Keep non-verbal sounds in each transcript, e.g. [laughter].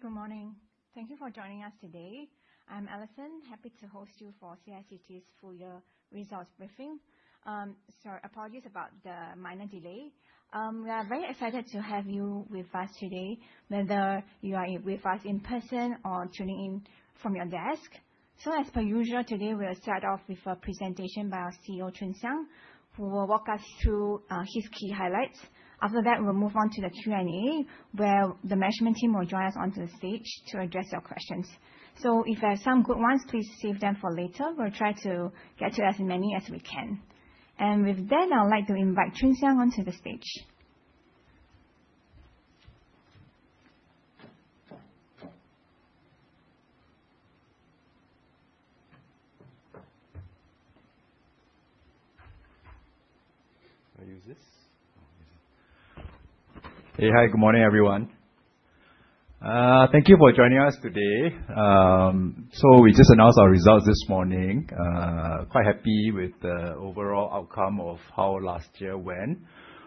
Good morning. Thank you for joining us today. I'm Allison. Happy to host you for CICT's full year results briefing. Sorry, apologies about the minor delay. We are very excited to have you with us today, whether you are with us in person or tuning in from your desk. As per usual, today we'll start off with a presentation by our CEO, Choon Siang, who will walk us through his key highlights. After that, we'll move on to the Q&A, where the management team will join us onto the stage to address your questions. If there are some good ones, please save them for later. We'll try to get to as many as we can. With that, I would like to invite Choon Siang onto the stage. I use this? Oh, okay. Hey. Hi, good morning, everyone. Thank you for joining us today. We just announced our results this morning. Quite happy with the overall outcome of how last year went.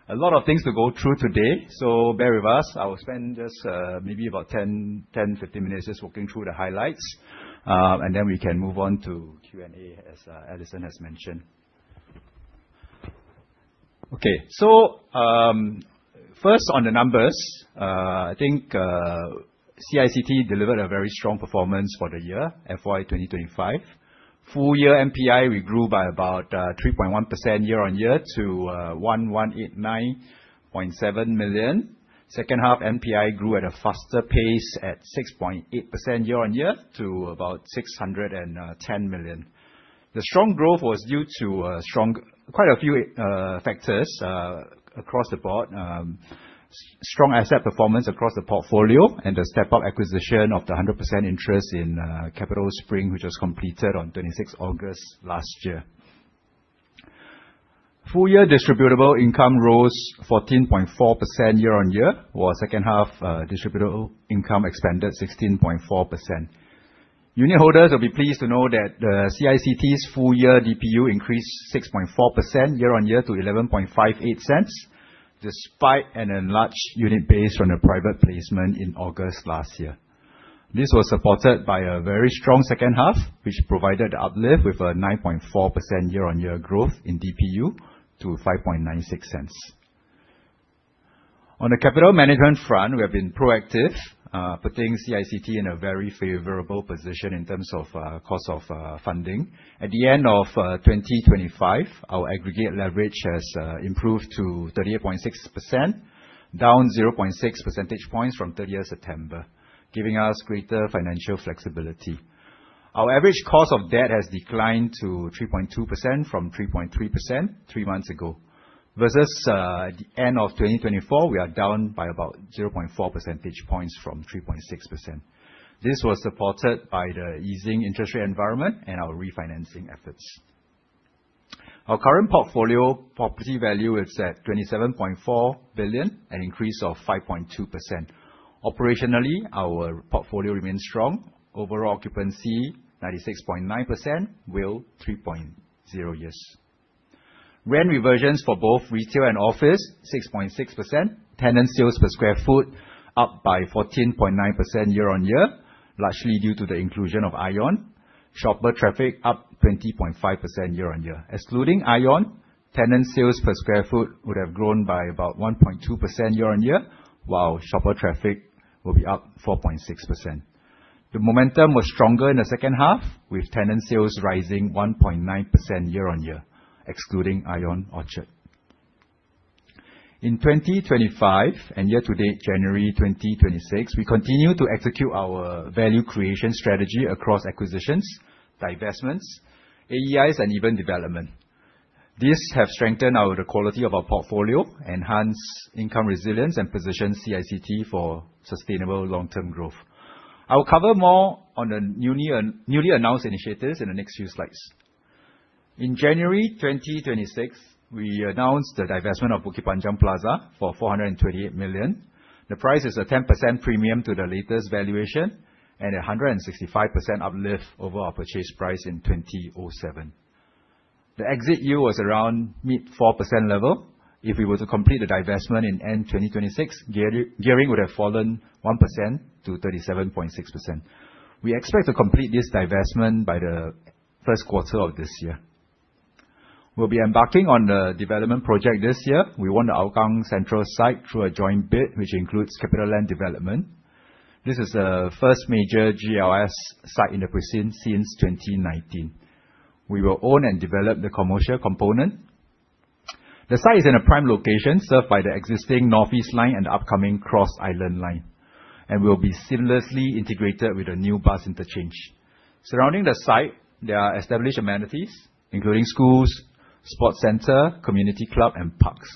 A lot of things to go through today, so bear with us. I will spend just maybe about 10 minutes, 15 minutes just walking through the highlights, and then we can move on to Q&A, as Allison has mentioned. Okay. First on the numbers. I think CICT delivered a very strong performance for the year FY 2025. Full year NPI, we grew by about 3.1% year-on-year to 1,189.7 million. Second half NPI grew at a faster pace at 6.8% year-on-year to about 610 million. The strong growth was due to quite a few factors across the board. Strong asset performance across the portfolio and the step-up acquisition of the 100% interest in CapitaSpring, which was completed on August 26 last year. Full year distributable income rose 14.4% year-on-year, while second half distributable income expanded 16.4%. Unitholders will be pleased to know that CICT's full year DPU increased 6.4% year-on-year to 0.1158, despite an enlarged unit base from the private placement in August last year. This was supported by a very strong second half, which provided uplift with a 9.4% year-on-year growth in DPU to 0.0596. On the capital management front, we have been proactive, putting CICT in a very favorable position in terms of cost of funding. At the end of 2025, our aggregate leverage has improved to 38.6%, down 0.6 percentage points from September 30, giving us greater financial flexibility. Our average cost of debt has declined to 3.2% from 3.3% three months ago. Versus the end of 2024, we are down by about 0.4 percentage points from 3.6%. This was supported by the easing interest rate environment and our refinancing efforts. Our current portfolio property value is at 27.4 billion, an increase of 5.2%. Operationally, our portfolio remains strong. Overall occupancy 96.9%, while 3.0 years. Rent reversions for both retail and office 6.6%. Tenant sales per square foot up by 14.9% year-on-year, largely due to the inclusion of ION. Shopper traffic up 20.5% year-on-year. Excluding ION, tenant sales per square foot would have grown by about 1.2% year-on-year, while shopper traffic will be up 4.6%. The momentum was stronger in the second half, with tenant sales rising 1.9% year-on-year, excluding ION Orchard. In 2025 and year-to-date January 2026, we continue to execute our value creation strategy across acquisitions, divestments, AEIs and even development. These have strengthened the quality of our portfolio, enhanced income resilience and positioned CICT for sustainable long-term growth. I will cover more on the newly announced initiatives in the next few slides. In January 2026, we announced the divestment of Bukit Panjang Plaza for 428 million. The price is a 10% premium to the latest valuation and 165% uplift over our purchase price in 2007. The exit yield was around mid 4% level. If we were to complete the divestment in end 2026, gearing would have fallen 1%-37.6%. We expect to complete this divestment by the first quarter of this year. We'll be embarking on the development project this year. We won the Hougang Central site through a joint bid, which includes CapitaLand Development. This is a first major GLS site in the precinct since 2019. We will own and develop the commercial component. The site is in a prime location served by the existing North East Line and the upcoming Cross Island Line and will be seamlessly integrated with a new bus interchange. Surrounding the site, there are established amenities including schools, sports center, community club and parks.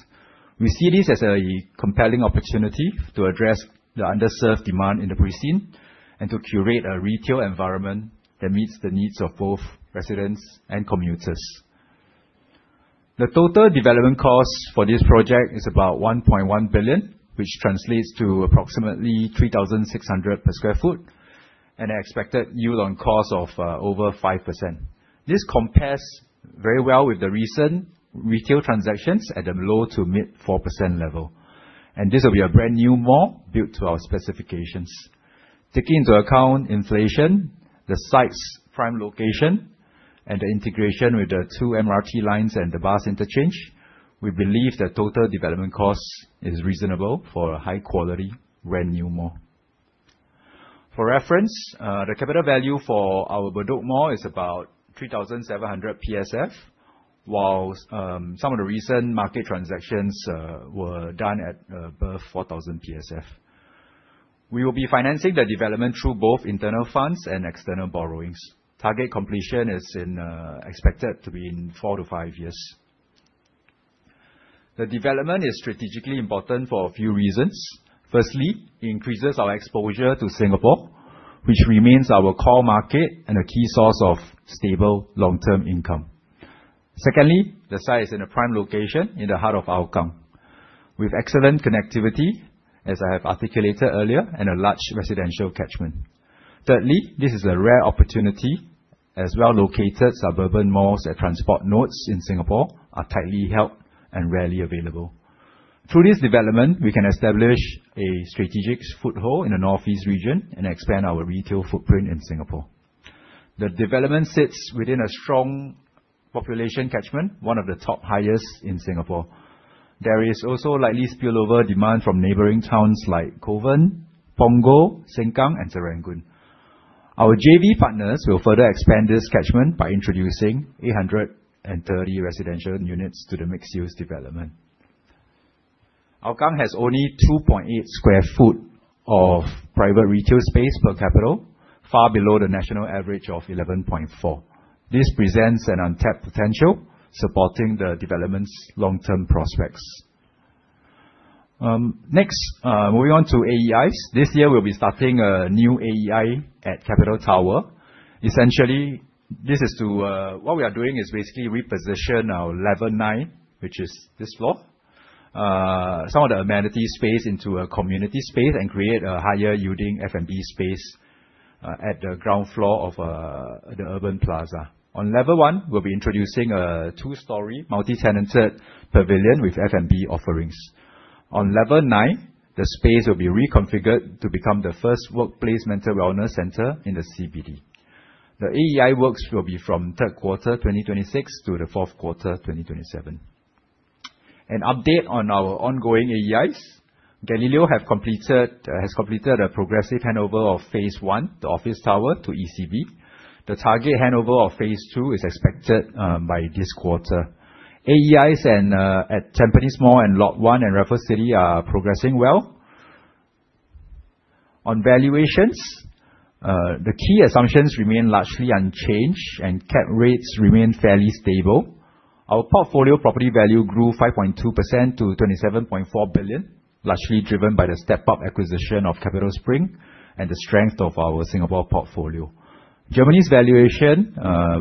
We see this as a compelling opportunity to address the underserved demand in the precinct and to curate a retail environment that meets the needs of both residents and commuters. The total development cost for this project is about 1.1 billion, which translates to approximately 3,600 per sq ft. An expected yield on cost of over 5%. This compares very well with the recent retail transactions at the low to mid 4% level. This will be a brand-new mall built to our specifications. Taking into account inflation, the site's prime location, and the integration with the two MRT lines and the bus interchange, we believe that total development cost is reasonable for a high-quality brand-new mall. For reference, the capital value for our Bedok Mall is about 3,700 PSF, while some of the recent market transactions were done at above 4,000 PSF. We will be financing the development through both internal funds and external borrowings. Target completion is expected to be in four to five years. The development is strategically important for a few reasons. Firstly, it increases our exposure to Singapore, which remains our core market and a key source of stable long-term income. Secondly, the site is in a prime location in the heart of Hougang. With excellent connectivity, as I have articulated earlier, and a large residential catchment. Thirdly, this is a rare opportunity, as well-located suburban malls at transport nodes in Singapore are tightly held and rarely available. Through this development, we can establish a strategic foothold in the North-East region and expand our retail footprint in Singapore. The development sits within a strong population catchment, one of the top highest in Singapore. There is also likely spillover demand from neighboring towns like Kovan, Punggol, Sengkang, and Serangoon. Our JV partners will further expand this catchment by introducing 830 residential units to the mixed-use development. Hougang has only 2.8 sq ft of private retail space per capital, far below the national average of 11.4 sq ft. This presents an untapped potential supporting the development's long-term prospects. Next, moving on to AEIs. This year, we'll be starting a new AEI at Capital Tower. Essentially, what we are doing is basically reposition our level nine, which is this floor. Some of the amenities space into a community space and create a higher-yielding F&B space at the ground floor of the urban plaza. On level one, we'll be introducing a two-story multi-tenanted pavilion with F&B offerings. On level nine, the space will be reconfigured to become the first workplace mental wellness center in the CBD. The AEI works will be from third quarter 2026 to the fourth quarter 2027. An update on our ongoing AEIs. Gallileo has completed a progressive handover of phase I, the office tower, to ECB. The target handover of phase II is expected by this quarter. AEIs at Tampines Mall and Lot One and Raffles City are progressing well. On valuations, the key assumptions remain largely unchanged, and cap rates remain fairly stable. Our portfolio property value grew 5.2% to 27.4 billion, largely driven by the step-up acquisition of CapitaSpring and the strength of our Singapore portfolio. Germany's valuation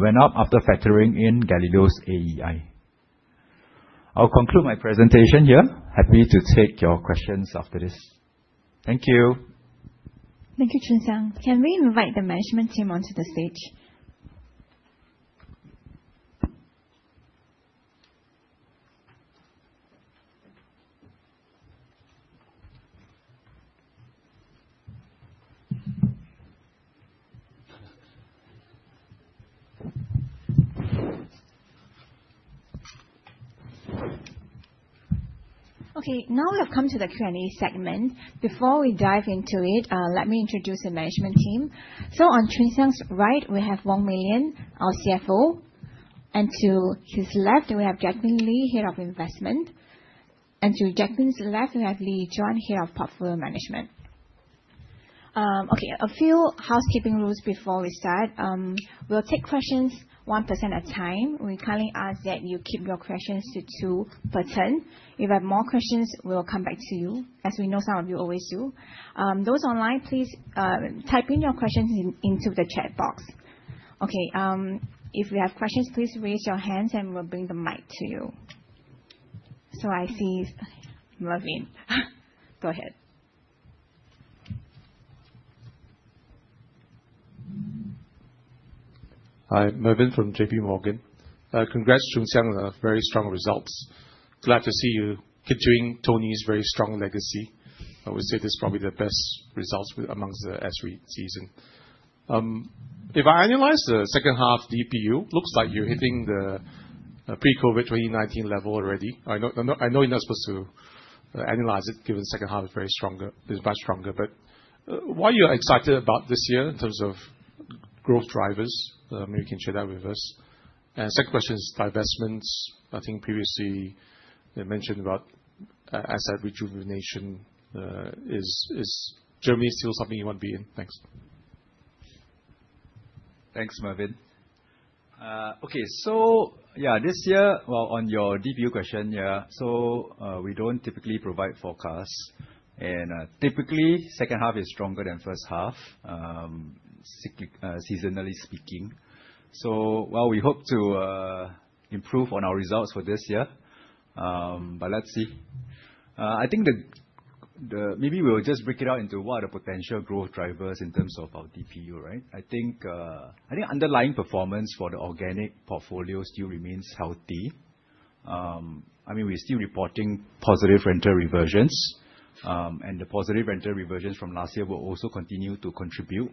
went up after factoring in Gallileo's AEI. I'll conclude my presentation here. Happy to take your questions after this. Thank you. Thank you, Choon Siang. Can we invite the management team onto the stage? Now we have come to the Q&A segment. Before we dive into it, let me introduce the management team. On Choon Siang's right, we have Wong Mei Lian, our CFO. To his left, we have Jacqueline Lee, Head of Investment. To Jacqueline's left, we have Lee Yi Zhuan, Head of Portfolio Management. A few housekeeping rules before we start. We'll take questions one person at a time. We kindly ask that you keep your questions to two per turn. If we have more questions, we'll come back to you, as we know some of you always do. Those online, please type in your questions into the chat box. If you have questions, please raise your hands, and we'll bring the mic to you. I see Mervin. Go ahead. Hi. Mervin from JPMorgan. Congrats, Choon Siang, on the very strong results. Glad to see you continuing Tony's very strong legacy. I would say this is probably the best results amongst the S-REIT season. If I analyze the second half DPU, looks like you're hitting the pre-COVID 2019 level already. I know you're not supposed to analyze it, given the second half is much stronger. Why you are excited about this year in terms of growth drivers? Maybe you can share that with us. Second question is divestments. I think previously you mentioned about asset rejuvenation. Is Germany still something you want to be in? Thanks. Thanks, Mervin. Okay. This year. Well, on your DPU question. We don't typically provide forecasts. Typically, second half is stronger than first half, seasonally speaking. While we hope to improve on our results for this year, let's see. I think maybe we'll just break it out into what are the potential growth drivers in terms of our DPU. I think underlying performance for the organic portfolio still remains healthy. We're still reporting positive rental reversions, the positive rental reversions from last year will also continue to contribute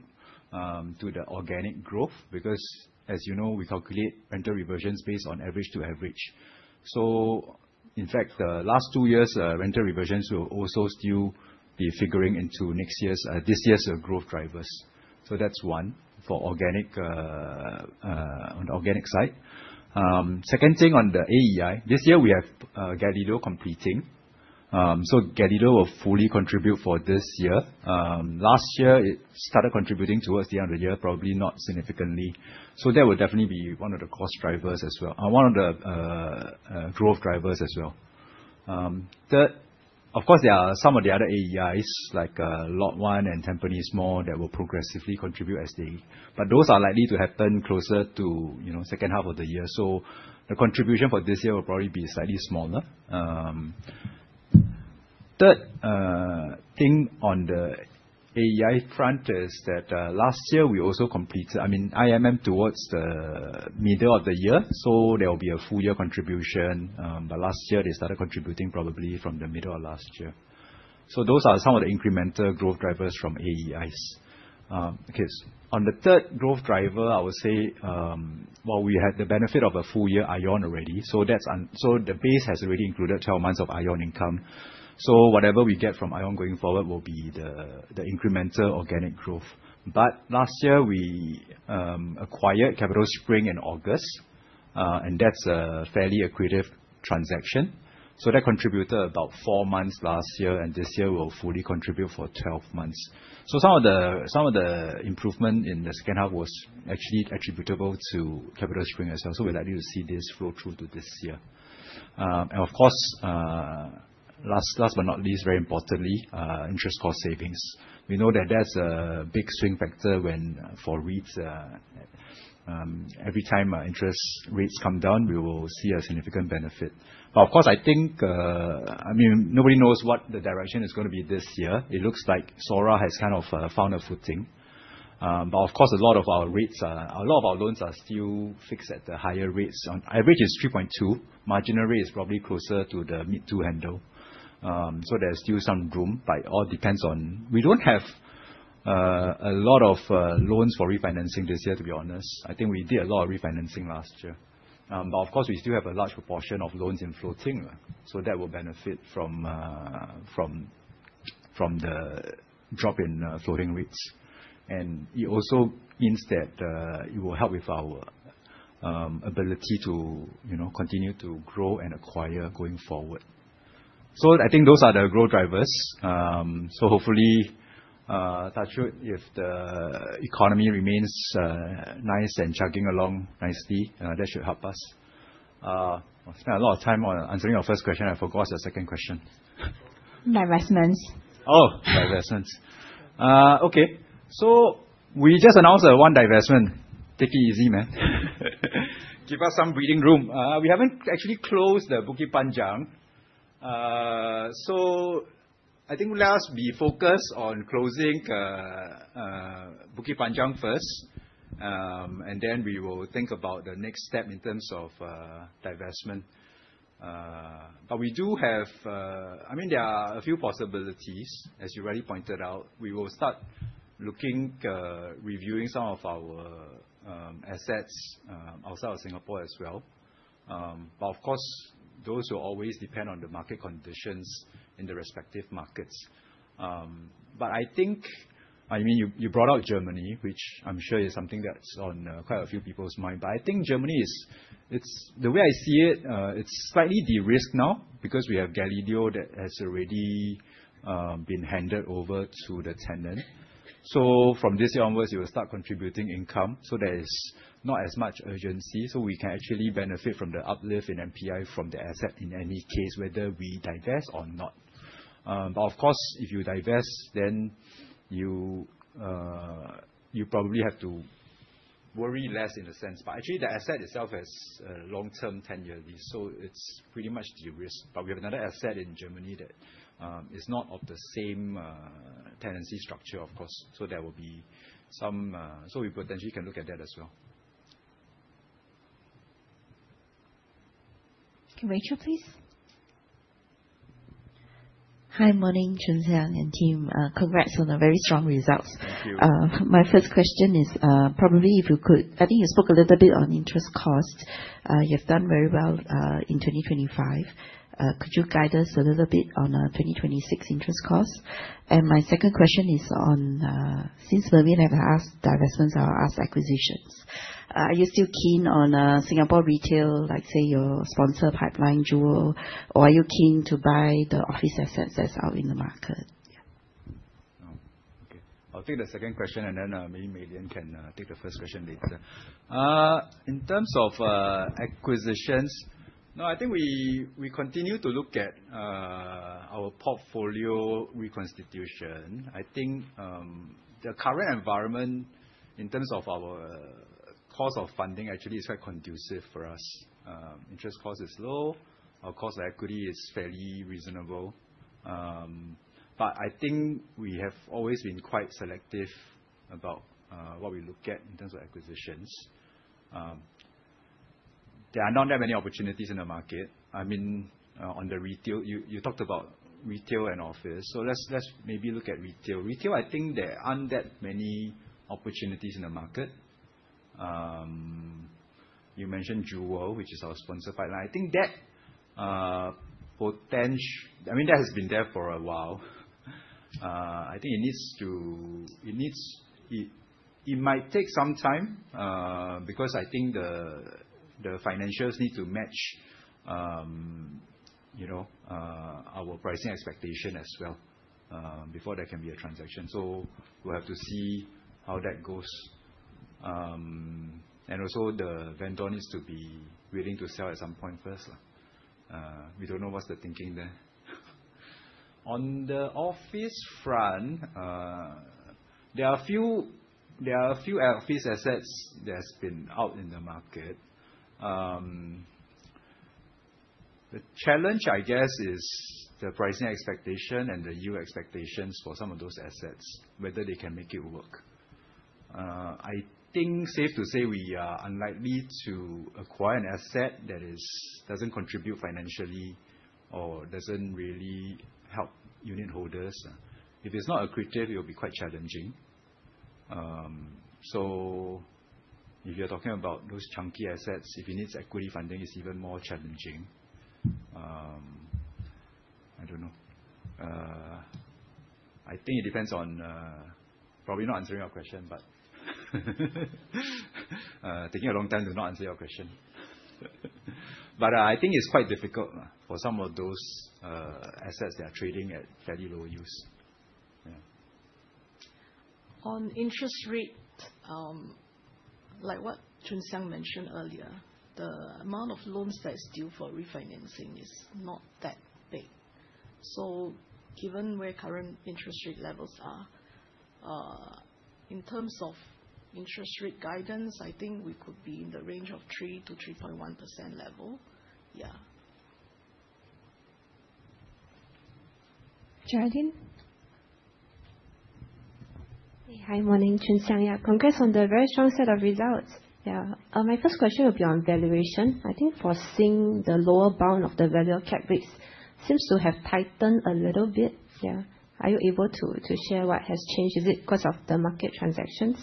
to the organic growth because, as you know, we calculate rental reversions based on average to average. In fact, the last two years' rental reversions will also still be figuring into this year's growth drivers. That's one for on the organic side. Second thing on the AEI, this year, we have Gallileo completing. Gallileo will fully contribute for this year. Last year, it started contributing towards the end of the year, probably not significantly. That will definitely be one of the growth drivers as well. Third, of course, there are some of the other AEIs like Lot One and Tampines Mall that will progressively contribute. Those are likely to happen closer to second half of the year. The contribution for this year will probably be slightly smaller. Third thing on the AEI front is that last year, we also completed IMM towards the middle of the year, there will be a full year contribution. Last year, they started contributing probably from the middle of last year. Those are some of the incremental growth drivers from AEIs. Okay. On the third growth driver, I would say, while we had the benefit of a full year ION already, the base has already included 12 months of ION income. Whatever we get from ION going forward will be the incremental organic growth. Last year, we acquired CapitaSpring in August, that's a fairly accretive transaction. That contributed about four months last year, this year will fully contribute for 12 months. Some of the improvement in the second half was actually attributable to CapitaSpring as well. We're likely to see this flow through to this year. Of course, last but not least, very importantly, interest cost savings. We know that that's a big swing factor for REITs. Every time interest rates come down, we will see a significant benefit. Of course, I think, nobody knows what the direction is going to be this year. It looks like SORA has kind of found a footing. Of course, a lot of our loans are still fixed at the higher rates. On average, it's 3.2%. Marginal rate is probably closer to the mid 2% handle. There's still some room. We don't have a lot of loans for refinancing this year, to be honest. I think we did a lot of refinancing last year. Of course, we still have a large proportion of loans in floating, that will benefit from the drop in floating rates. It also means that it will help with our ability to continue to grow and acquire going forward. I think those are the growth drivers. Hopefully, touch wood, if the economy remains nice and chugging along nicely, that should help us. I spent a lot of time on answering your first question, I forgot the second question. Divestments. Divestments. Okay. We just announced one divestment. Take it easy, man. Give us some breathing room. We haven't actually closed the Bukit Panjang. I think let us be focused on closing Bukit Panjang first, and then we will think about the next step in terms of divestment. There are a few possibilities, as you already pointed out. We will start reviewing some of our assets outside of Singapore as well. Of course, those will always depend on the market conditions in the respective markets. You brought up Germany, which I'm sure is something that's on quite a few people's mind. I think Germany, the way I see it's slightly de-risked now because we have Gallileo that has already been handed over to the tenant. From this year onwards, it will start contributing income, there is not as much urgency. We can actually benefit from the uplift in NPI from the asset in any case, whether we divest or not. Of course, if you divest, then you probably have to worry less in a sense. Actually, the asset itself has a long-term 10-year lease, it's pretty much de-risked. We have another asset in Germany that is not of the same tenancy structure, of course. We potentially can look at that as well. Okay. Rachel, please. Hi, morning, Choon Siang and team. Congrats on the very strong results. Thank you. My first question is, probably, if you could, I think you spoke a little bit on interest cost. You have done very well in 2025. Could you guide us a little bit on 2026 interest cost? My second question is on, since Mervin have asked divestments or asked acquisitions, are you still keen on Singapore retail, like, say, your sponsor pipeline Jewel, or are you keen to buy the office assets that are in the market? Yeah. Okay. I'll take the second question, then maybe Mei Lian can take the first question later. In terms of acquisitions, no, I think we continue to look at our portfolio reconstitution. I think the current environment in terms of our cost of funding actually is quite conducive for us. Interest cost is low. Our cost of equity is fairly reasonable. I think we have always been quite selective about what we look at in terms of acquisitions. There are not that many opportunities in the market. You talked about retail and office. Let's maybe look at retail. Retail, I think there aren't that many opportunities in the market. You mentioned Jewel, which is our sponsored pipeline. That has been there for a while. I think it might take some time because I think the financials need to match our pricing expectation as well before there can be a transaction. We'll have to see how that goes. Also the vendor needs to be willing to sell at some point first. We don't know what's the thinking there. On the office front, there are a few office assets that's been out in the market. The challenge, I guess, is the pricing expectation and the yield expectations for some of those assets, whether they can make it work. I think safe to say we are unlikely to acquire an asset that doesn't contribute financially or doesn't really help unit holders. If it's not accretive, it will be quite challenging. If you're talking about those chunky assets, if it needs equity funding, it's even more challenging. I don't know. Probably not answering your question but taking a long time to not answer your question. I think it's quite difficult for some of those assets that are trading at fairly low use. On interest rates, like what Choon Siang mentioned earlier, the amount of loans that is due for refinancing is not that big. Given where current interest rate levels are, in terms of interest rate guidance, I think we could be in the range of 3%-3.1% level. Geraldine? Hi. Morning, Choon Siang. Congrats on the very strong set of results. My first question will be on valuation. I think foreseeing the lower bound of the value cap rates seems to have tightened a little bit. Are you able to share what has changed? Is it because of the market transactions?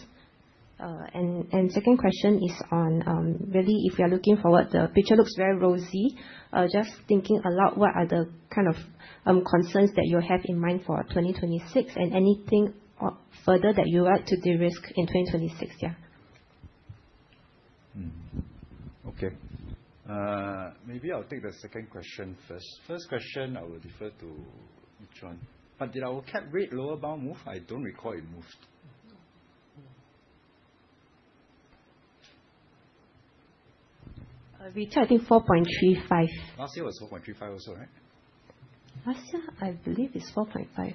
Second question is on if you are looking forward, the picture looks very rosy. Just thinking a lot, what are the kind of concerns that you have in mind for 2026 and anything further that you want to de-risk in 2026? Okay. Maybe I'll take the second question first. First question I will defer to Yi Zhuan. Did our cap rate lower bound move? I don't recall it moved. Retail, I think 4.35%. Last year was 4.35% also, right? Last year, I believed it's 4.5%. No. Yeah,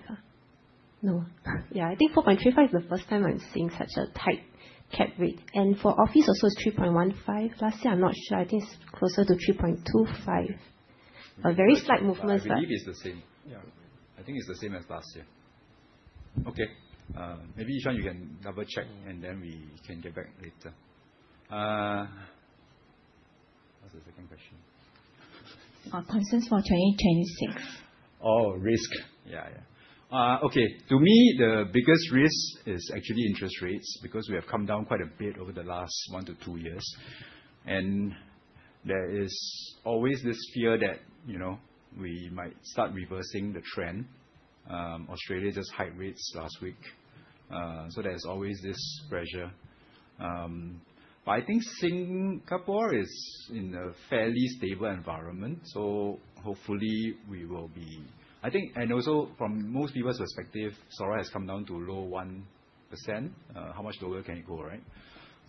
I think 4.35% is the first time I'm seeing such a tight cap rate. For office also, it's 3.15%. Last year, I'm not sure. I think it's closer to 3.25%. A very slight movement, but. [crosstalk] I believe it's the same. Yeah. I think it's the same as last year. Okay. Maybe Yi Zhuan, you can double-check, and then we can get back later. What's the second question? Concerns for 2026. Oh, risk. Yeah. Okay. To me, the biggest risk is actually interest rates, because we have come down quite a bit over the last one to two years, and there is always this fear that we might start reversing the trend. Australia just hiked rates last week, there's always this pressure. I think Singapore is in a fairly stable environment, also from most people's perspective, SORA has come down to a low 1%. How much lower can it go, right?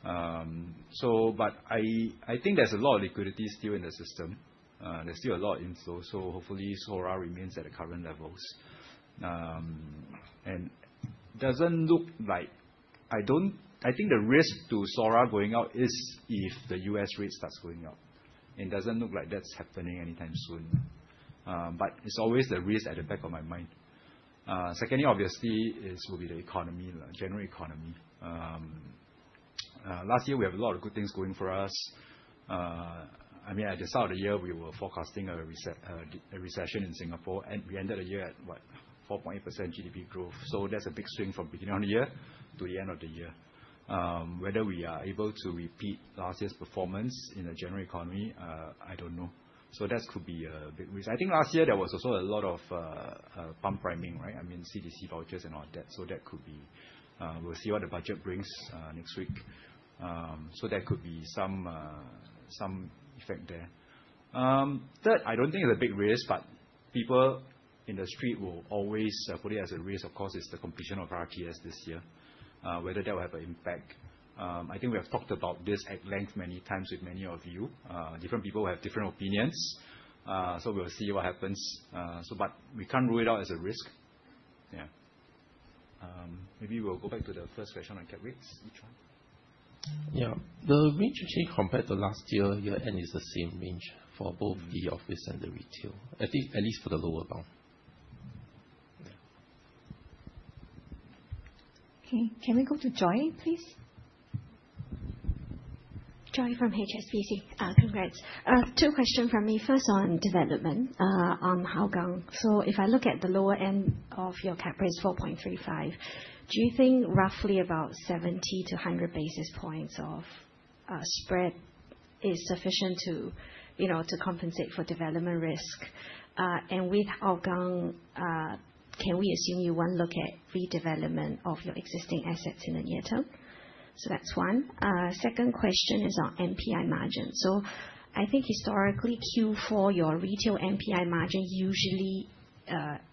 I think there's a lot of liquidity still in the system. There's still a lot in flow, hopefully SORA remains at the current levels. I think the risk to SORA going up is if the U.S. rate starts going up. It doesn't look like that's happening anytime soon. It's always the risk at the back of my mind. Secondly, obviously, it will be the economy, the general economy. Last year, we had a lot of good things going for us. At the start of the year, we were forecasting a recession in Singapore, we ended the year at, what, 4.8% GDP growth. That's a big swing from beginning of the year to the end of the year. Whether we are able to repeat last year's performance in the general economy, I don't know. That could be a big risk. I think last year there was also a lot of pump priming. CDC vouchers and all that. We'll see what the budget brings next week. There could be some effect there. Third, I don't think it's a big risk, but people in the street will always put it as a risk. Of course, it's the completion of RTS this year, whether that will have an impact. I think we have talked about this at length many times with many of you. Different people have different opinions. We'll see what happens. We can't rule it out as a risk. Yeah. Maybe we'll go back to the first question on cap rates, Which one? Yeah. The range actually compared to last year-end, is the same range for both the office and the retail, at least for the lower bound. Okay. Can we go to Joy, please? Joy from HSBC. Congrats. Two question from me. First, on development on Hougang. If I look at the lower end of your cap rate, 4.35%, do you think roughly about 70 basis points-100 basis points of spread is sufficient to compensate for development risk? With Hougang, can we assume you won't look at redevelopment of your existing assets in the near term? That's one. Second question is on NPI margin. I think historically, Q4, your retail NPI margin usually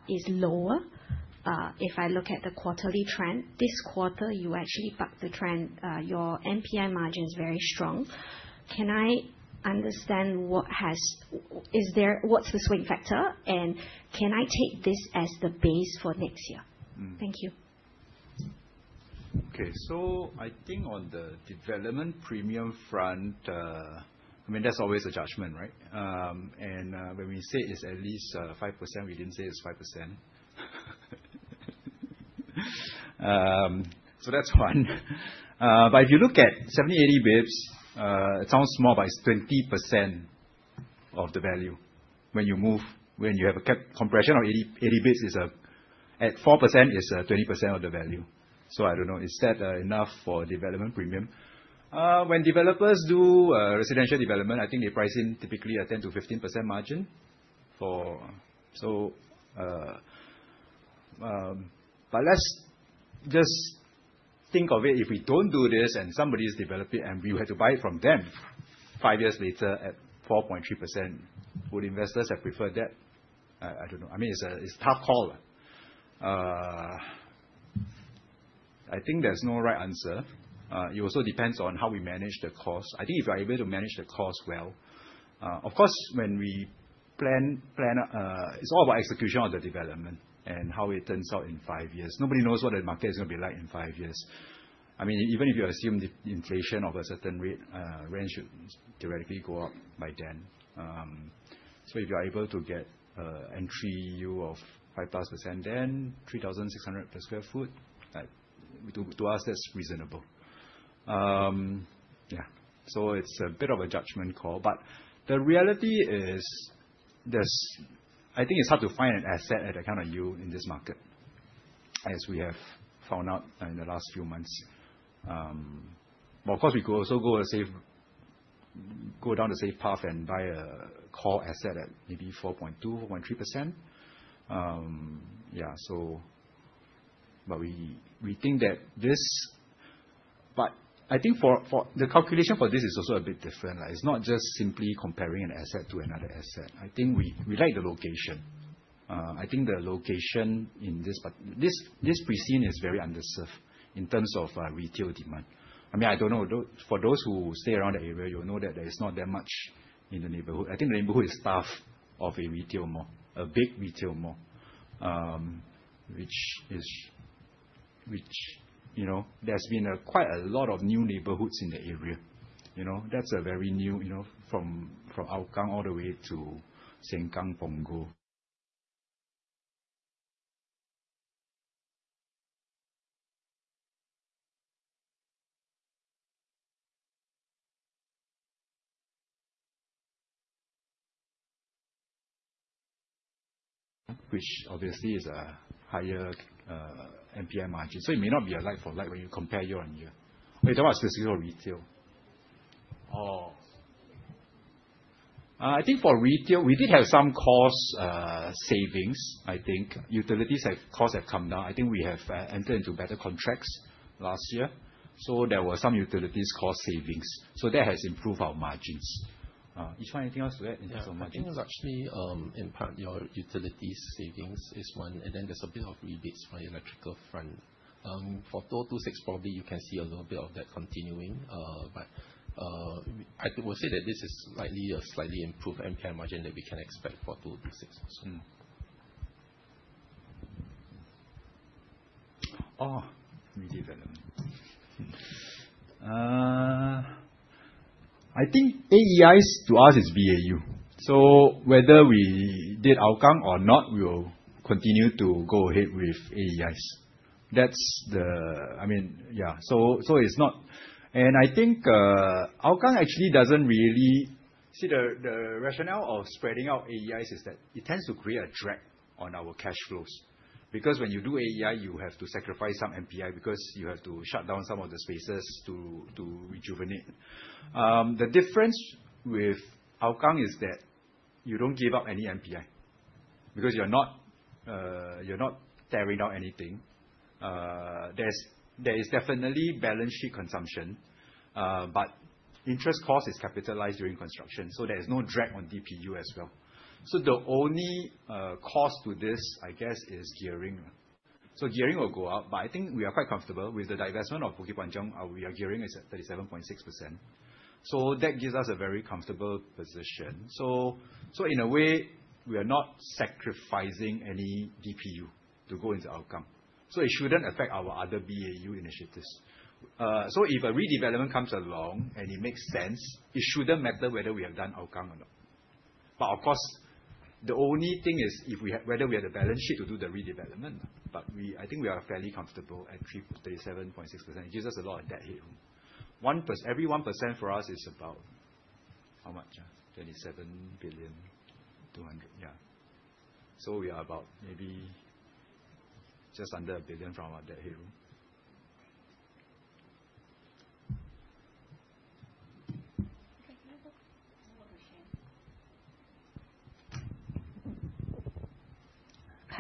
is lower. If I look at the quarterly trend, this quarter you actually bucked the trend. Your NPI margin is very strong. Can I understand what's the swing factor, and can I take this as the base for next year? Thank you. I think on the development premium front, there's always a judgment, right? When we say it's at least 5%, we didn't say it's 5%. That's one. If you look at 70 basis points, 80 basis points, it sounds small, but it's 20% of the value when you have a cap compression of 80 basis points at 4%, it's 20% of the value. I don't know. Is that enough for a development premium? When developers do residential development, I think they price in typically a 10%-15% margin. Let's just think of it, if we don't do this and somebody's developing and we have to buy it from them five years later at 4.3%, would investors have preferred that? I don't know. It's a tough call. I think there's no right answer. It also depends on how we manage the cost. I think if we are able to manage the cost well. Of course, it's all about execution of the development and how it turns out in five years. Nobody knows what the market is going to be like in five years. Even if you assume the inflation of a certain rate, rent should theoretically go up by then. If you are able to get entry yield of 5%, then 3,600 per sq ft, to us, that's reasonable. Yeah. It's a bit of a judgment call, but the reality is, I think it's hard to find an asset at that kind of yield in this market, as we have found out in the last few months. Of course, we could also go down the safe path and buy a core asset at maybe 4.2%, 4.3%. Yeah, the calculation for this is also a bit different. It's not just simply comparing an asset to another asset. We like the location. This precinct is very underserved in terms of retail demand. I don't know, for those who stay around that area, you know that there is not that much in the neighborhood. I think the neighborhood is starved of a retail mall, a big retail mall. There's been quite a lot of new neighborhoods in the area. That's a very new, from Hougang all the way to Sengkang, Punggol. Which obviously is a higher NPI margin. It may not be a like for like when you compare year-on-year. You're talking about specifically for retail? Oh. I think for retail, we did have some cost savings, I think. Utilities costs have come down. I think we have entered into better contracts last year. There were some utilities cost savings. That has improved our margins. Yi Zhuan, anything else to add in terms of margins? I think it was actually in part your utilities savings is one, and then there's a bit of rebates from the electrical front. For 2026, probably you can see a little bit of that continuing. I would say that this is likely a slightly improved NPI margin that we can expect for 2026 as well. Oh, redevelopment. I think AEIs to us is BAU. Whether we did Hougang or not, we will continue to go ahead with AEIs. I think the rationale of spreading out AEIs is that it tends to create a drag on our cash flows. When you do AEI, you have to sacrifice some NPI because you have to shut down some of the spaces to rejuvenate. The difference with Hougang is that you don't give up any NPI because you're not tearing down anything. There is definitely balance sheet consumption, interest cost is capitalized during construction, there is no drag on DPU as well. The only cost to this, I guess, is gearing. Gearing will go up, I think we are quite comfortable with the divestment of Bukit Panjang. Our gearing is at 37.6%. That gives us a very comfortable position. In a way, we are not sacrificing any DPU to go into Hougang. It shouldn't affect our other BAU initiatives. If a redevelopment comes along, and it makes sense, it shouldn't matter whether we have done Hougang or not. Of course, the only thing is whether we have the balance sheet to do the redevelopment. I think we are fairly comfortable at 37.6%. It gives us a lot of debt headroom. Every 1% for us is about how much? 27.2 billion. We are about maybe just under 1 billion from our debt headroom. Okay. [audio distortion]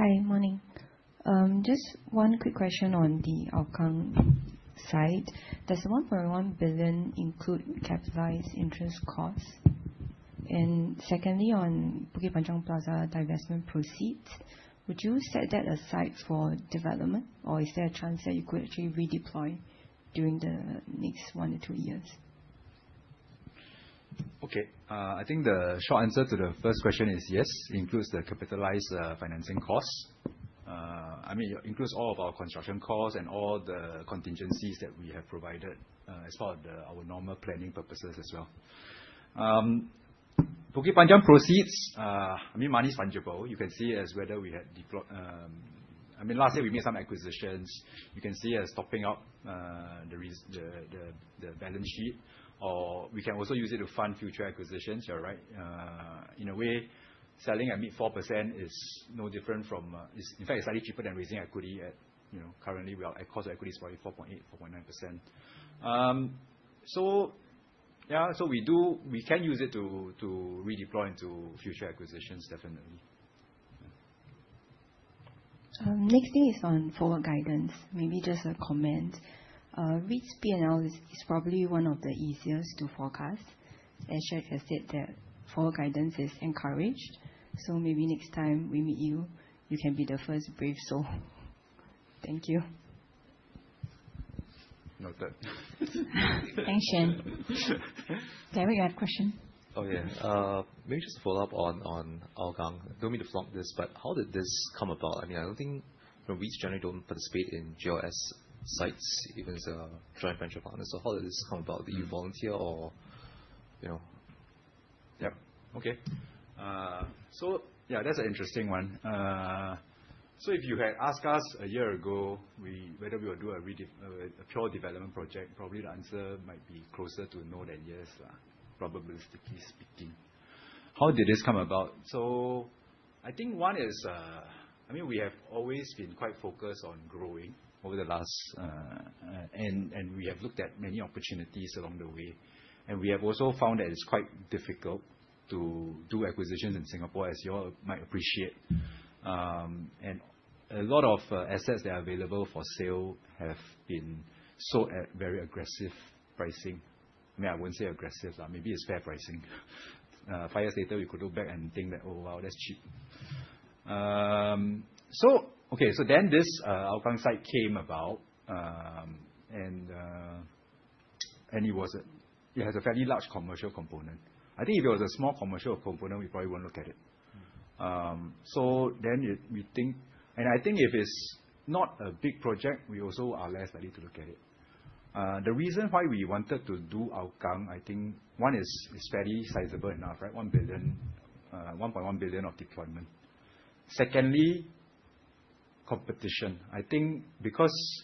Hi. Morning. Just one quick question on the Hougang site. Does the 1.1 billion include capitalized interest costs? Secondly, on Bukit Panjang Plaza divestment proceeds, would you set that aside for development, or is there a chance that you could actually redeploy during the next one to two years? Okay. I think the short answer to the first question is yes, it includes the capitalized financing costs. It includes all of our construction costs and all the contingencies that we have provided as part of our normal planning purposes as well. Bukit Panjang proceeds, money is fungible. Last year we made some acquisitions. You can see us topping up the balance sheet, or we can also use it to fund future acquisitions. You are right. In a way, selling at mid 4% is no different from, in fact, it's slightly cheaper than raising equity. Currently, our cost of equity is 4.8%, 4.9%. We can use it to redeploy into future acquisitions, definitely. Next thing is on forward guidance. Maybe just a comment. REITs P&L is probably one of the easiest to forecast. As you have said that forward guidance is encouraged. Maybe next time we meet you can be the first brave soul. Thank you. Note that. Thanks, Shen. There we have question. Okay. Maybe just follow up on Hougang. Don't mean to flunk this, how did this come about? I don't think REITs generally don't participate in GLS sites, even as a joint venture partner. How did this come about? Did you volunteer or? Yep. Okay. That's an interesting one. If you had asked us a year ago whether we would do a pure development project, probably the answer might be closer to no than yes, probabilistically speaking. How did this come about? I think one is we have always been quite focused on growing over the last, we have looked at many opportunities along the way. We have also found that it's quite difficult to do acquisitions in Singapore, as you all might appreciate. A lot of assets that are available for sale have been sold at very aggressive pricing. I wouldn't say aggressive, maybe it's fair pricing. Five years later, we could look back and think that, "Oh, wow, that's cheap." This Hougang site came about. It has a fairly large commercial component. I think if it was a small commercial component, we probably won't look at it. I think if it's not a big project, we also are less likely to look at it. The reason why we wanted to do Hougang, I think one is it's fairly sizable enough, right? 1 billion, 1.1 billion of deployment. Secondly, competition. I think because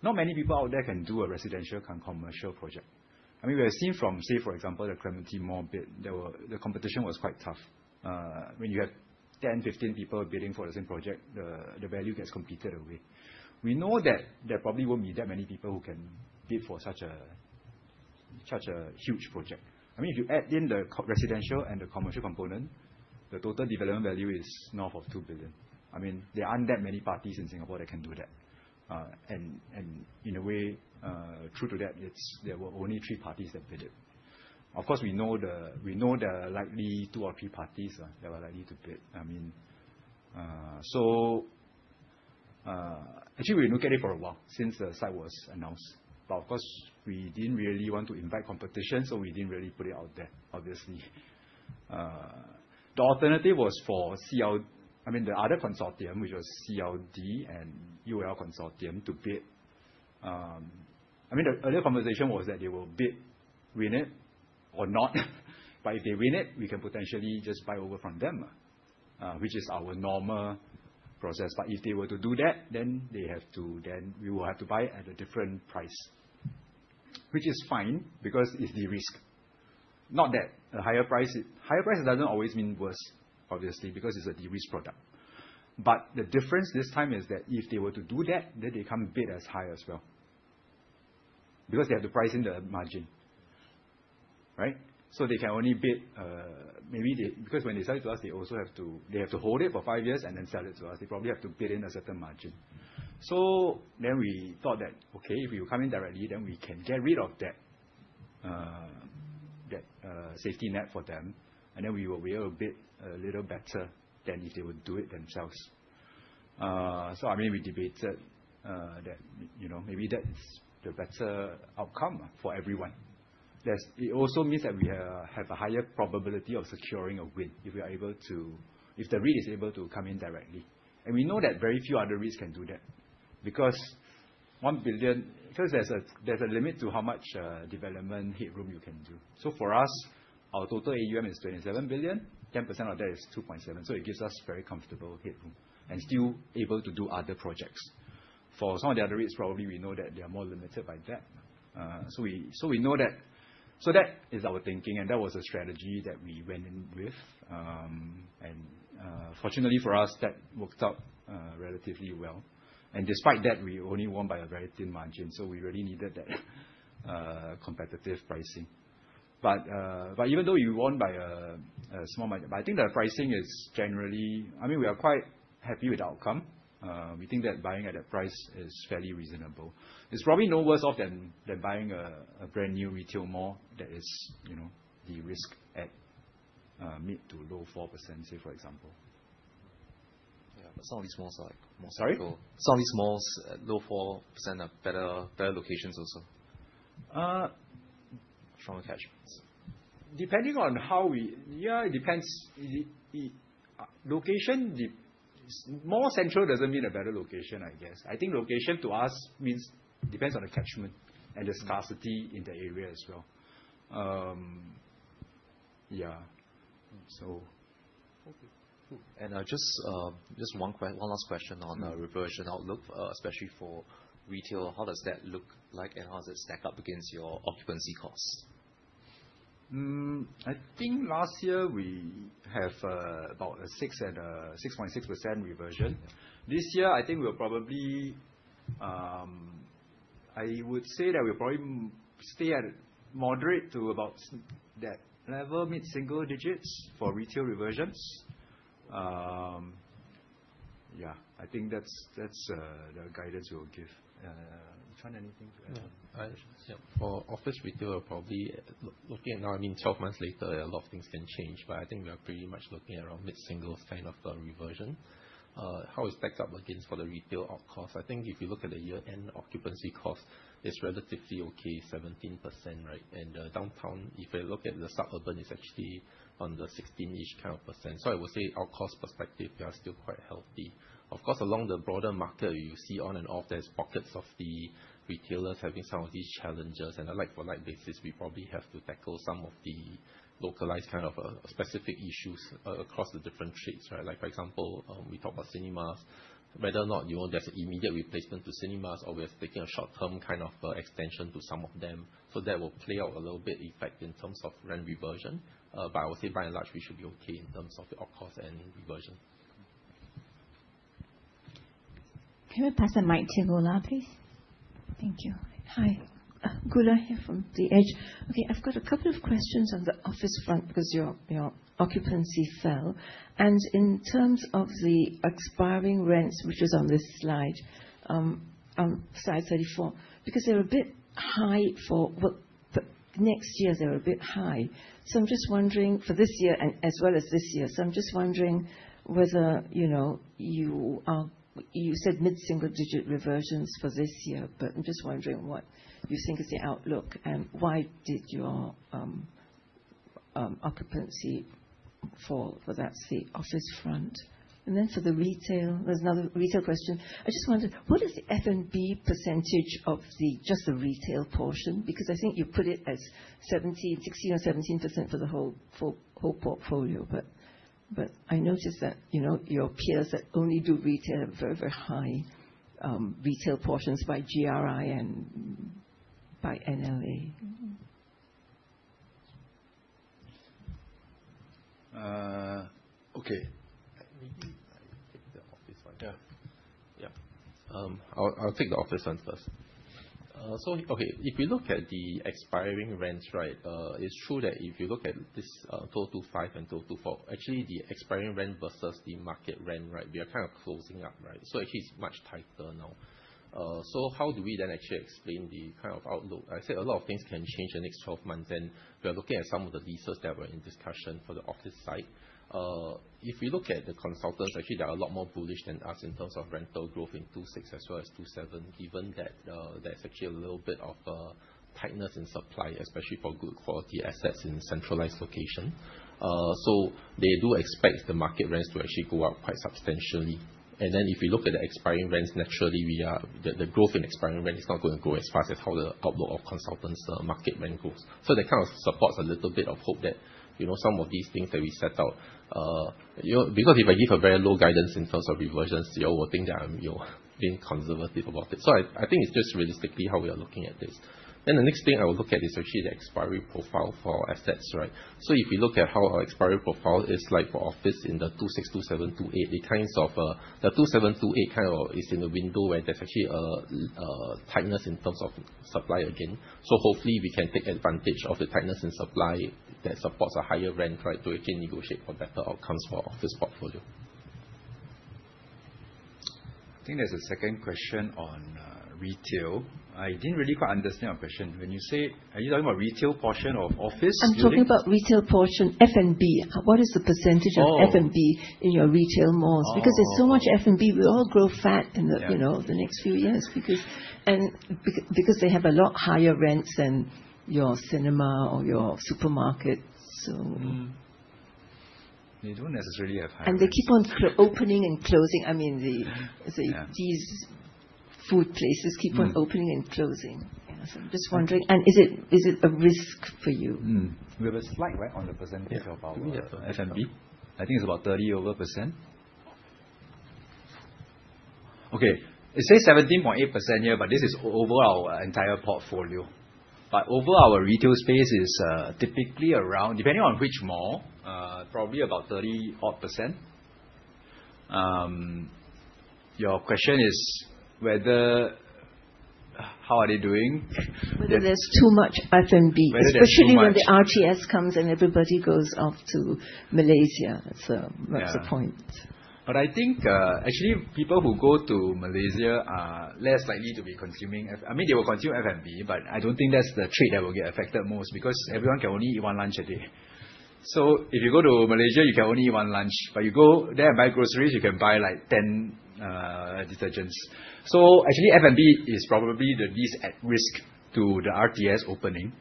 not many people out there can do a residential-cum-commercial project. We have seen from, say for example, The Clementi Mall bid, the competition was quite tough. When you have 10, 15 people bidding for the same project, the value gets competed away. We know that there probably won't be that many people who can bid for such a huge project. If you add in the residential and the commercial component, the total development value is north of 2 billion. There aren't that many parties in Singapore that can do that. In a way, true to that, there were only three parties that bid it. Of course, we know the likely two or three parties that were likely to bid. Actually, we looked at it for a while, since the site was announced. Of course, we didn't really want to invite competition, so we didn't really put it out there, obviously. The alternative was for the other consortium, which was CLD and UOL Consortium to bid. The earlier conversation was that they will bid, win it or not, but if they win it, we can potentially just buy over from them, which is our normal process. If they were to do that, then we will have to buy at a different price. Which is fine, because it's de-risk. Higher price doesn't always mean worse, obviously, because it's a de-risk product. The difference this time is that if they were to do that, then they can't bid as high as well. They have to price in the margin. Right? They can only bid, because when they sell it to us, they have to hold it for five years and then sell it to us. They probably have to bid in a certain margin. We thought that, okay, if you come in directly, then we can get rid of that safety net for them, and then we were a little better than if they would do it themselves. We debated that maybe that's the better outcome for everyone. It also means that we have a higher probability of securing a REIT if the REIT is able to come in directly. We know that very few other REITs can do that because there's a limit to how much development headroom you can do. For us, our total AUM is 27 billion, 10% of that is 2.7 billion. It gives us very comfortable headroom and still able to do other projects. For some of the other REITs, probably we know that they are more limited by that. That is our thinking, and that was a strategy that we went in with. Fortunately for us, that worked out relatively well. Despite that, we only won by a very thin margin, we really needed that competitive pricing. Even though we won by a small margin, I think the pricing is generally, we are quite happy with the outcome. We think that buying at that price is fairly reasonable. It's probably no worse off than buying a brand-new retail mall that is de-risk at mid to low 4%, say, for example. Yeah. Some of these malls are like. Sorry? Some of these malls at low 4% are better locations also. Stronger catchments. Depending on how. Yeah, it depends. More central doesn't mean a better location, I guess. I think location to us depends on the catchment and the scarcity in the area as well. Yeah. Okay, cool. Just one last question on reversion outlook, especially for retail. What does that look like, and how does it stack up against your occupancy costs? I think last year we have about 6.6% reversion. This year, I would say that we'll probably stay at moderate to about that level, mid-single digits for retail reversions. Yeah. I think that's the guidance we'll give. Yi Zhuan, anything to add on? Yeah. For office retail, probably looking at now, 12 months later, a lot of things can change, but I think we are pretty much looking around mid-single digit of the reversion. How it stacks up against the retail op cost, I think if you look at the year-end occupancy cost, it's relatively okay, 17%, right? The downtown, if you look at the suburban, it's actually on the 16-ish kind of percent. I would say our cost perspective, we are still quite healthy. Of course, along the broader market, you see on and off there's pockets of the retailers having some of these challenges, and a like for like basis, we probably have to tackle some of the localized kind of specific issues across the different trades, right? Like for example, we talk about cinemas, whether or not there's an immediate replacement to cinemas or we are taking a short-term kind of extension to some of them. That will play out a little bit effect in terms of rent reversion. I would say by and large, we should be okay in terms of the op cost and reversion. Can we pass the mic to Goola, please? Thank you. Hi. Goola here from The Edge Singapore. I've got a couple of questions on the office front because your occupancy fell. In terms of the expiring rents, which is on this slide 34. They're a bit high for next year. I'm just wondering for this year and as well as this year, whether you said mid-single digit reversions for this year, but I'm just wondering what you think is the outlook and why did your occupancy fall for that office front? For the retail, there's another retail question. I just wondered, what is the F&B percentage of just the retail portion? Because I think you put it as 16% or 17% for the whole portfolio. But I noticed that your peers that only do retail have very, very high retail portions by GRI and by NLA. Maybe I take the office one. Yeah. Yep. I'll take the office one first. If you look at the expiring rents, it's true that if you look at this 2025 and 2024, actually the expiring rent versus the market rent, we are kind of closing up. Actually, it's much tighter now. How do we then actually explain the kind of outlook? I say a lot of things can change the next 12 months. We are looking at some of the leases that were in discussion for the office side. If we look at the consultants, actually they are a lot more bullish than us in terms of rental growth in 2026 as well as 2027, given that there's actually a little bit of a tightness in supply, especially for good quality assets in centralized location. They do expect the market rents to actually go up quite substantially. If we look at the expiring rents, naturally, the growth in expiring rent is not going to grow as fast as how the outlook of consultants market rent grows. That kind of supports a little bit of hope that some of these things that we set out. Because if I give a very low guidance in terms of reversions, you all will think that I'm being conservative about it. I think it's just realistically how we are looking at this. The next thing I would look at is actually the expiry profile for assets, right? If you look at how our expiry profile is like for office in the 2026, 2027, 2028, the 2027, 2028 kind of is in the window where there's actually a tightness in terms of supply again. Hopefully we can take advantage of the tightness in supply that supports a higher rent, to again negotiate for better outcomes for office portfolio. I think there's a second question on retail. I didn't really quite understand your question. When you say, are you talking about retail portion of office links? I'm talking about retail portion, F&B. What is the percentage of F&B in your retail malls? There's so much F&B, we'll all grow fat. Yeah. The next few years because they have a lot higher rents than your cinema or your supermarket. They don't necessarily have. [crosstalk] They keep on opening and closing. These food places keep on opening and closing. Just wondering, is it a risk for you? We have a slide, right, on the percentage of our. [crosstalk] Do we have? F&B. I think it's about over 30%. Okay. It says 17.8% here, but this is over our entire portfolio. Over our retail space is typically around, depending on which mall, probably about odd 30%. Your question is how are they doing? Whether there is too much F&B. Whether there is too much. Especially when the RTS comes and everybody goes off to Malaysia. That is the point. Yeah. I think, actually, people who go to Malaysia are less likely to be consuming. They will consume F&B, but I don't think that is the trade that will get affected most because everyone can only eat one lunch a day. If you go to Malaysia, you can only eat one lunch. You go there and buy groceries, you can buy 10 detergents. Actually, F&B is probably the least at risk to the RTS opening.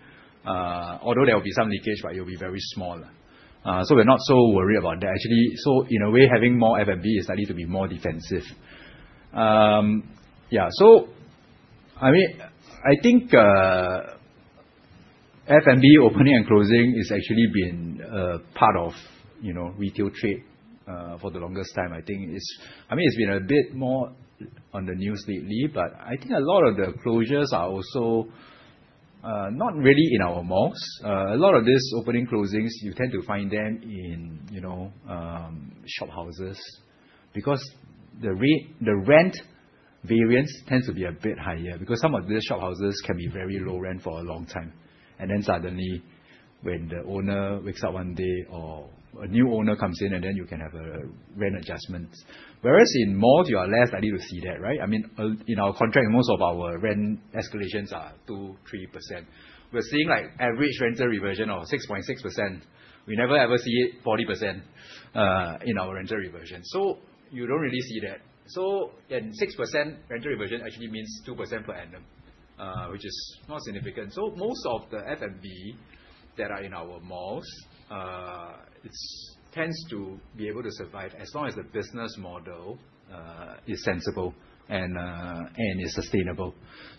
Although there will be some leakage, but it'll be very small. We are not so worried about that, actually. In a way, having more F&B is likely to be more defensive. I think F&B opening and closing has actually been a part of retail trade for the longest time. It's been a bit more on the news lately, but I think a lot of the closures are also not really in our malls. A lot of these opening closings, you tend to find them in shop houses. The rent variance tends to be a bit higher, because some of these shop houses can be very low rent for a long time. Suddenly when the owner wakes up one day or a new owner comes in and then you can have rent adjustments. Whereas in malls, you are less likely to see that, right? In our contract, most of our rent escalations are 2%, 3%. We're seeing average rental reversion of 6.6%. We never ever see it 40% in our rental reversion. You don't really see that. 6% rental reversion actually means 2% per annum, which is not significant. Most of the F&B that are in our malls, it tends to be able to survive as long as the business model is sensible and is sustainable.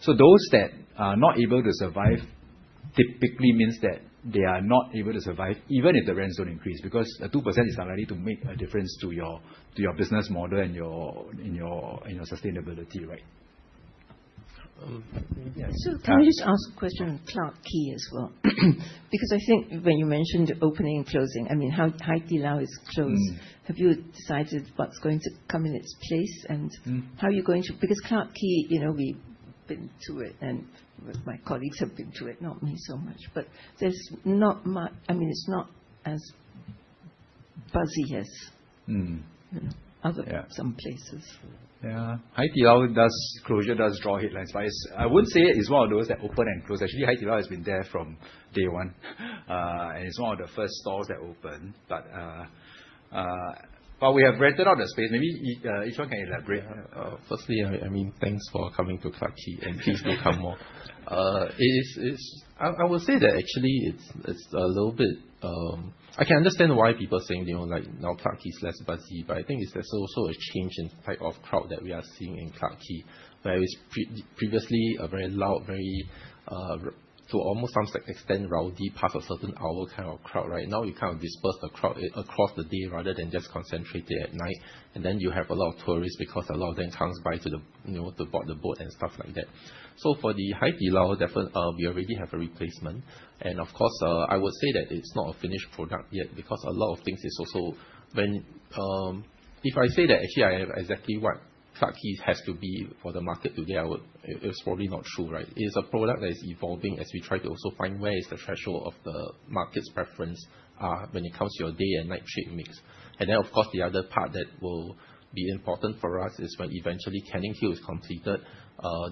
Those that are not able to survive typically means that they are not able to survive even if the rents don't increase, because a 2% is unlikely to make a difference to your business model and your sustainability, right? Yeah. Can we just ask a question on Clarke Quay as well? I think when you mentioned opening and closing, Haidilao is closed. Have you decided what's going to come in its place? Clarke Quay, we've been to it, and my colleagues have been to it, not me so much. It's not as buzzy as other some places. Yeah. Haidilao closure does draw headlines, but I wouldn't say it is one of those that open and close. Actually, Haidilao has been there from day one. It's one of the first stores that opened. We have rented out the space. Maybe Yi Zhuan can elaborate on that. Firstly, thanks for coming to Clarke Quay, and please do come more. I would say that actually it's a little bit I can understand why people are saying now Clarke Quay's less buzzy, but I think it's also a change in the type of crowd that we are seeing in Clarke Quay. Where it was previously a very loud, to almost some extent rowdy past a certain hour kind of crowd. Now we disperse the crowd across the day rather than just concentrated at night. Then you have a lot of tourists because a lot of them come by to board the boat and stuff like that. For the Haidilao, we already have a replacement. Of course, I would say that it's not a finished product yet because a lot of things is also If I say that actually I know exactly what Clarke Quay has to be for the market today, it is probably not true, right? It is a product that is evolving as we try to also find where is the threshold of the market's preference when it comes to your day and night shape mix. Then, of course, the other part that will be important for us is when eventually CanningHill is completed.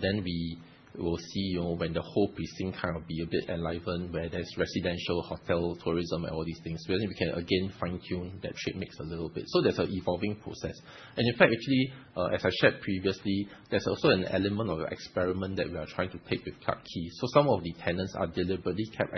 Then we will see when the whole precinct be a bit enlivened, where there's residential, hotel, tourism, and all these things. We think we can again fine-tune that shape mix a little bit. There's an evolving process. In fact, actually, as I shared previously, there's also an element of experiment that we are trying to take with Clarke Quay. Some of the tenants are deliberately kept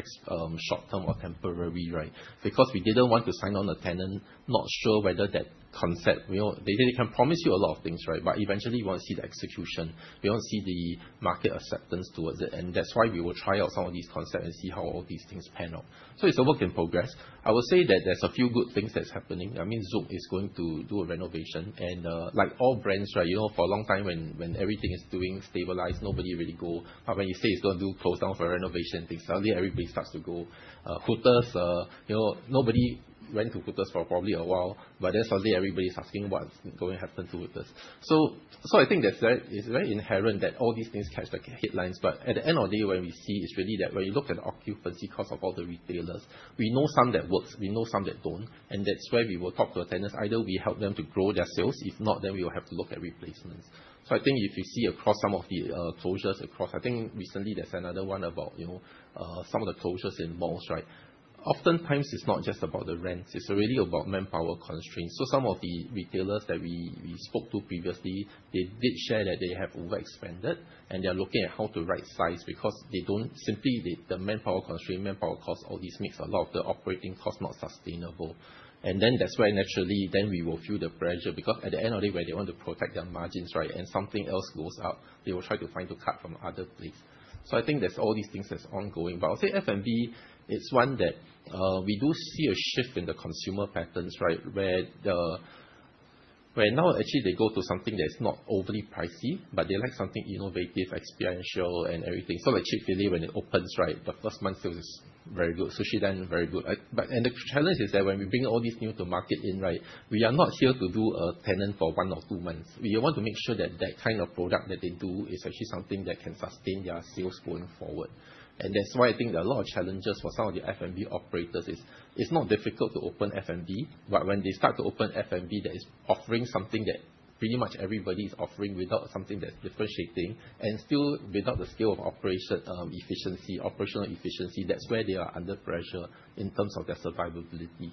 short-term or temporary, right? Because we didn't want to sign on a tenant, not sure whether that concept They can promise you a lot of things, right? Eventually you want to see the execution. We want to see the market acceptance towards it. That's why we will try out some of these concepts and see how all these things pan out. It's a work in progress. I would say that there's a few good things that's happening. Zouk is going to do a renovation. Like all brands, for a long time when everything is doing stabilized, nobody really go. When you say it's going to close down for renovation, then suddenly everybody starts to go. Hooters. Nobody went to Hooters for probably a while, suddenly everybody's asking what's going to happen to Hooters. I think that it's very inherent that all these things catch the headlines. At the end of the day, what we see is really that when you look at the occupancy cost of all the retailers, we know some that works, we know some that don't. That's where we will talk to our tenants. Either we help them to grow their sales. If not, then we will have to look at replacements. I think if you see across some of the closures, I think recently there's another one about some of the closures in malls, right? Oftentimes, it's not just about the rents, it's really about manpower constraints. Some of the retailers that we spoke to previously, they did share that they have overspend, and they're looking at how to right size because simply, the manpower constraint, manpower cost, all this makes a lot of the operating cost not sustainable. That's why, naturally, then we will feel the pressure, because at the end of it, where they want to protect their margins, right, and something else goes up, they will try to find to cut from other place. I think there's all these things that's ongoing. I'll say F&B is one that we do see a shift in the consumer patterns, right? Where now actually they go to something that's not overly pricey, but they like something innovative, experiential, and everything. Like Chick-fil-A, when it opens, right, the first month sales is very good. Sushidan, very good. The challenge is that when we bring all this new to market in, right, we are not here to do a tenant for one or two months. We want to make sure that that kind of product that they do is actually something that can sustain their sales going forward. That's why I think there are a lot of challenges for some of the F&B operators is, it's not difficult to open F&B, but when they start to open F&B that is offering something that pretty much everybody is offering without something that's differentiating and still without the skill of operational efficiency, that's where they are under pressure in terms of their survivability.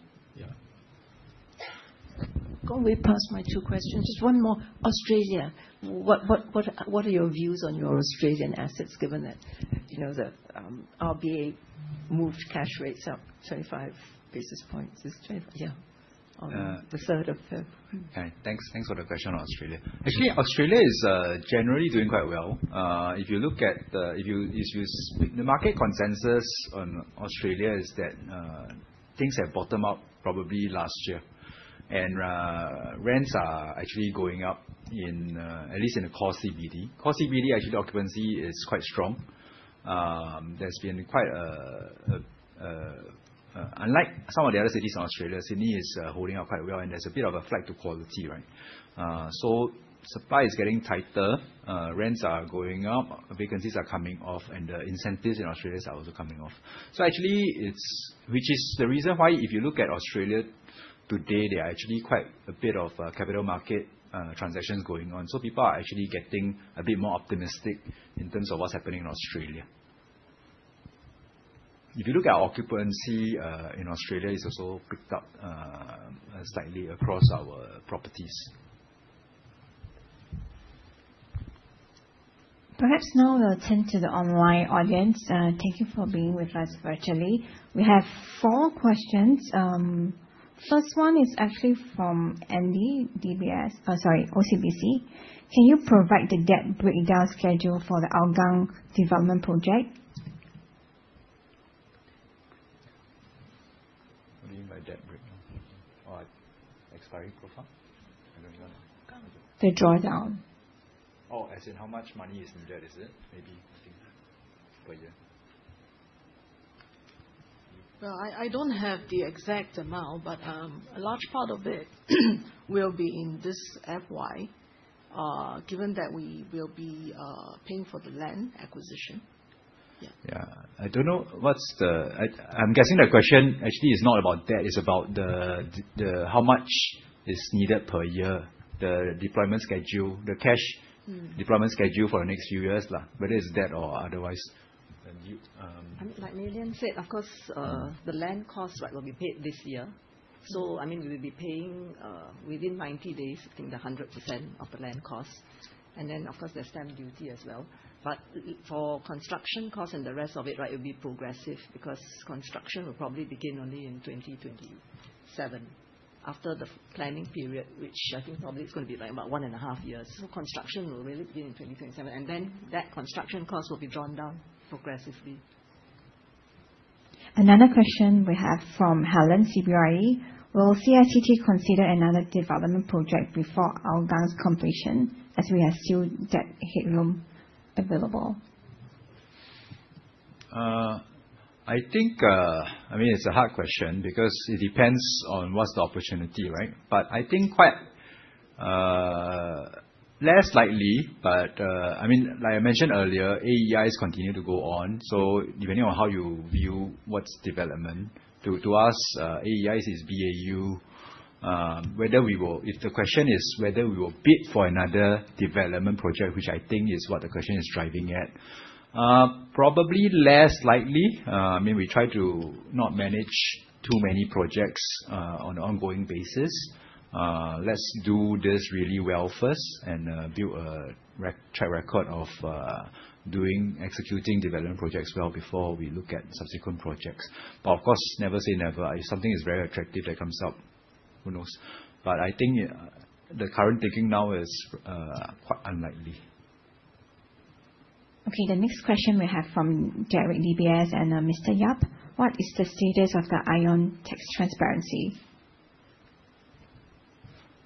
Yeah. Going way past my two questions. Just one more. Australia. What are your views on your Australian assets, given that the RBA moved cash rates up 25 basis points this. On the February 3rd. All right. Thanks for the question on Australia. Actually, Australia is generally doing quite well. If you look at the market consensus on Australia is that things have bottomed up probably last year. Rents are actually going up, at least in the core CBD. Core CBD, actually, the occupancy is quite strong. Unlike some of the other cities in Australia, Sydney is holding up quite well, and there's a bit of a flight to quality, right? Supply is getting tighter, rents are going up, vacancies are coming off, and the incentives in Australia are also coming off. Which is the reason why if you look at Australia today, there are actually quite a bit of capital market transactions going on. People are actually getting a bit more optimistic in terms of what's happening in Australia. If you look at occupancy in Australia, it's also picked up slightly across our properties. Perhaps now we'll attend to the online audience. Thank you for being with us virtually. We have four questions. First one is actually from Andy, OCBC. Can you provide the debt breakdown schedule for the Hougang development project? What do you mean by debt breakdown? Expiry profile? I don't understand. The drawdown. As in how much money is in debt, is it? Maybe, I think per year. Well, I don't have the exact amount, but a large part of it will be in this FY, given that we will be paying for the land acquisition. Yeah. Yeah. I'm guessing the question actually is not about debt, it's about how much is needed per year. The deployment schedule, the cash deployment schedule for the next few years. Whether it's debt or otherwise. Like Mei Lian said, of course, the land cost will be paid this year. We will be paying within 90 days, I think the 100% of the land cost. Of course, there's stamp duty as well. For construction cost and the rest of it will be progressive because construction will probably begin only in 2027, after the planning period, which I think probably it's going to be about one and a half years. Construction will really begin in 2027, that construction cost will be drawn down progressively. Another question we have from Helen, CBRE. Will CICT consider another development project before Hougang's completion as we still have that headroom available? It's a hard question because it depends on what's the opportunity, right? I think quite less likely. Like I mentioned earlier, AEIs continue to go on, depending on how you view what's development, to us, AEIs is BAU. If the question is whether we will bid for another development project, which I think is what the question is driving at, probably less likely. We try to not manage too many projects on an ongoing basis. Let's do this really well first and build a track record of executing development projects well before we look at subsequent projects. Of course, never say never. If something is very attractive that comes up, who knows? I think the current thinking now is quite unlikely. The next question we have from Derek, DBS, and Mr. Yap. What is the status of the ION tax transparency?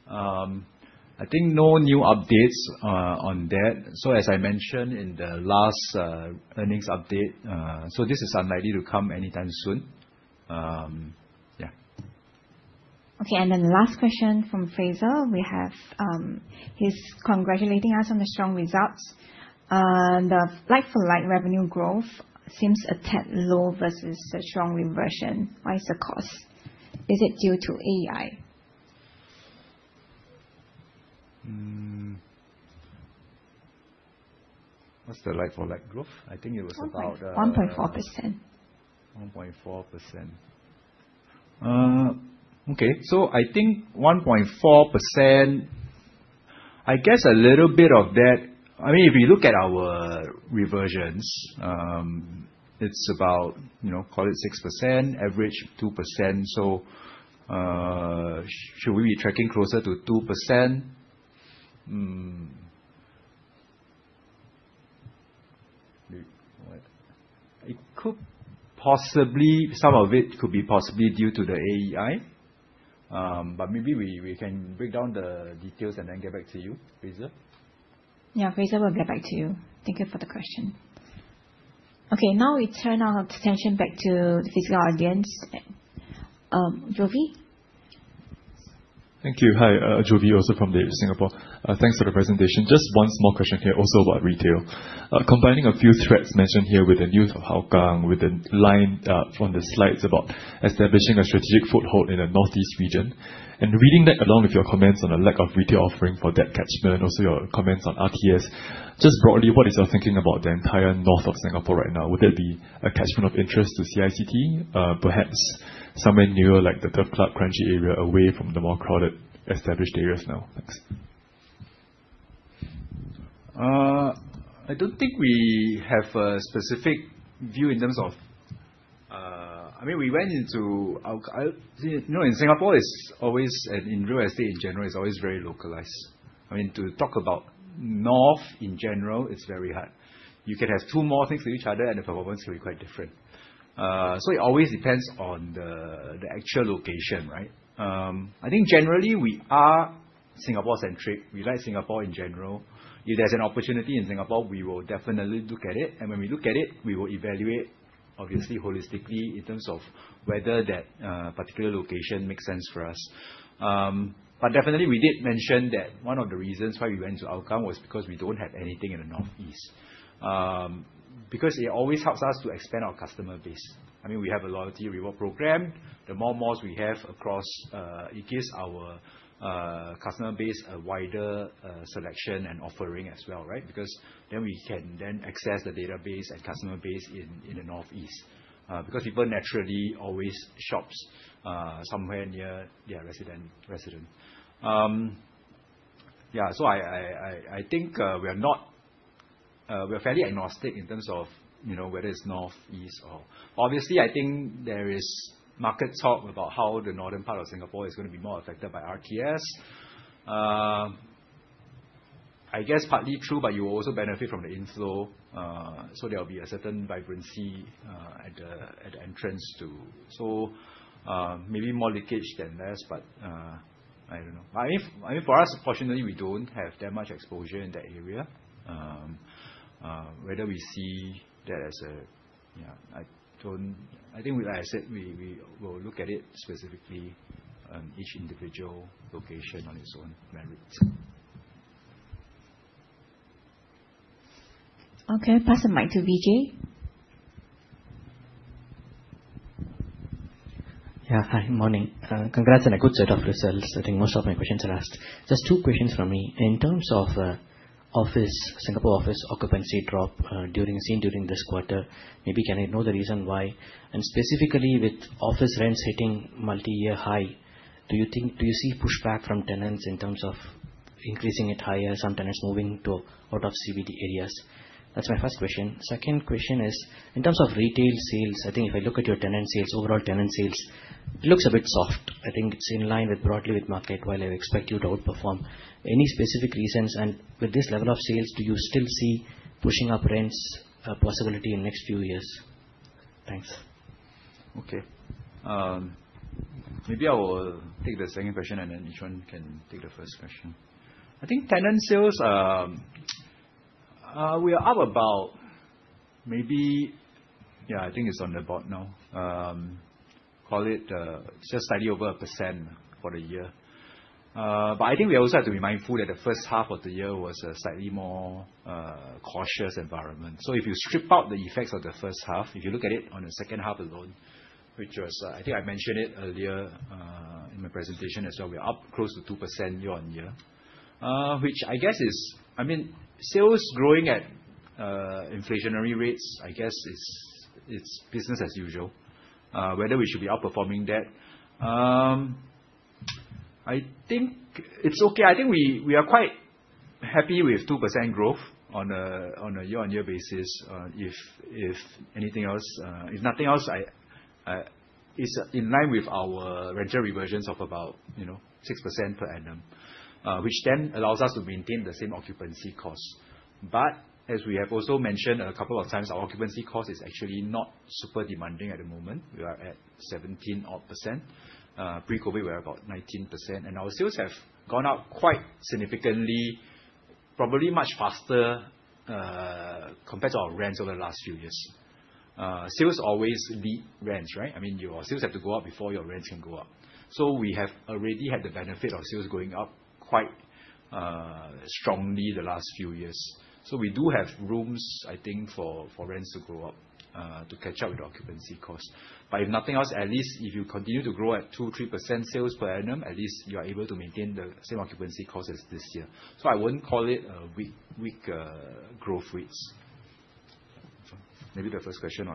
I think no new updates on that. As I mentioned in the last earnings update, this is unlikely to come anytime soon. Last question from Fraser. He's congratulating us on the strong results. The like-for-like revenue growth seems a tad low versus the strong reversion. Why is the cause? Is it due to AEI? What's the like-for-like growth? I think it was. 1.4%. 1.4%. Okay. I think 1.4%, if you look at our reversions, it's about call it 6%, average 2%. Should we be tracking closer to 2%? Some of it could be possibly due to the AEI. Maybe we can break down the details and then get back to you, Fraser. Yeah, Fraser, we'll get back to you. Thank you for the question. Now we turn our attention back to physical audience. Jovi? Thank you. Hi, Jovi, also from The Edge Singapore. Thanks for the presentation. One small question here also about retail. Combining a few threads mentioned here with the news of Hougang, with the line from the slides about establishing a strategic foothold in the northeast region and reading that along with your comments on the lack of retail offering for that catchment, and also your comments on RTS. Broadly, what is your thinking about the entire north of Singapore right now? Would that be a catchment of interest to CICT? Perhaps somewhere near the turf club country area away from the more crowded established areas now. Thanks. I don't think we have a specific view. In Singapore, it's always, and in real estate in general, it's always very localized. To talk about north in general, it's very hard. You can have two more things to each other, and the performance will be quite different. It always depends on the actual location, right? I think generally we are Singapore centric. We like Singapore in general. If there's an opportunity in Singapore, we will definitely look at it. When we look at it, we will evaluate, obviously holistically in terms of whether that particular location makes sense for us. Definitely we did mention that one of the reasons why we went to Hougang was because we don't have anything in the northeast. It always helps us to expand our customer base. We have a loyalty reward program. The more malls we have across, it gives our customer base a wider selection and offering as well, right? Then we can then access the database and customer base in the northeast. People naturally always shop somewhere near their residence. I think we are fairly agnostic in terms of whether it's northeast. Obviously, I think there is market talk about how the northern part of Singapore is going to be more affected by RTS. Partly true, but you will also benefit from the inflow. There'll be a certain vibrancy at the entrance too. Maybe more leakage than less, but I don't know. For us, fortunately, we don't have that much exposure in that area. Like I said, we will look at it specifically on each individual location on its own merit. Okay. Pass the mic to VJ. Hi, morning. Congrats on a good set of results. Most of my questions are asked. Just two questions from me. In terms of Singapore office occupancy drop seen during this quarter, maybe can I know the reason why? Specifically with office rents hitting multi-year high, do you see pushback from tenants in terms of increasing it higher, some tenants moving out of CBD areas? That's my first question. Second question is, in terms of retail sales, if I look at your tenant sales, overall tenant sales, it looks a bit soft. It's in line broadly with market, while I expect you to outperform. Any specific reasons, with this level of sales, do you still see pushing up rents a possibility in next few years? Thanks. Okay. Maybe I will take the second question, then Yi Zhuan can take the first question. Tenant sales, we are up about maybe, it's on the board now. Call it just slightly over 1% for the year. We also have to be mindful that the first half of the year was a slightly more cautious environment. If you strip out the effects of the first half, if you look at it on the second half alone, which was, I mentioned it earlier, in my presentation as well. We're up close to 2% year-on-year. Sales growing at inflationary rates, I guess is business as usual. Whether we should be outperforming that, it's okay. We are quite happy with 2% growth on a year-on-year basis. If nothing else, it's in line with our rental reversions of about 6% per annum. Which then allows us to maintain the same occupancy costs. As we have also mentioned a couple of times, our occupancy cost is actually not super demanding at the moment. We are at odd 17%. Pre-COVID, we were about 19%, and our sales have gone up quite significantly, probably much faster, compared to our rents over the last few years. Sales always lead rents, right? Your sales have to go up before your rents can go up. We have already had the benefit of sales going up quite strongly the last few years. We do have rooms, I think, for rents to go up, to catch up with the occupancy cost. If nothing else, at least if you continue to grow at 2%, 3% sales per annum, at least you are able to maintain the same occupancy cost as this year. I wouldn't call it weak growth rates. Maybe the first question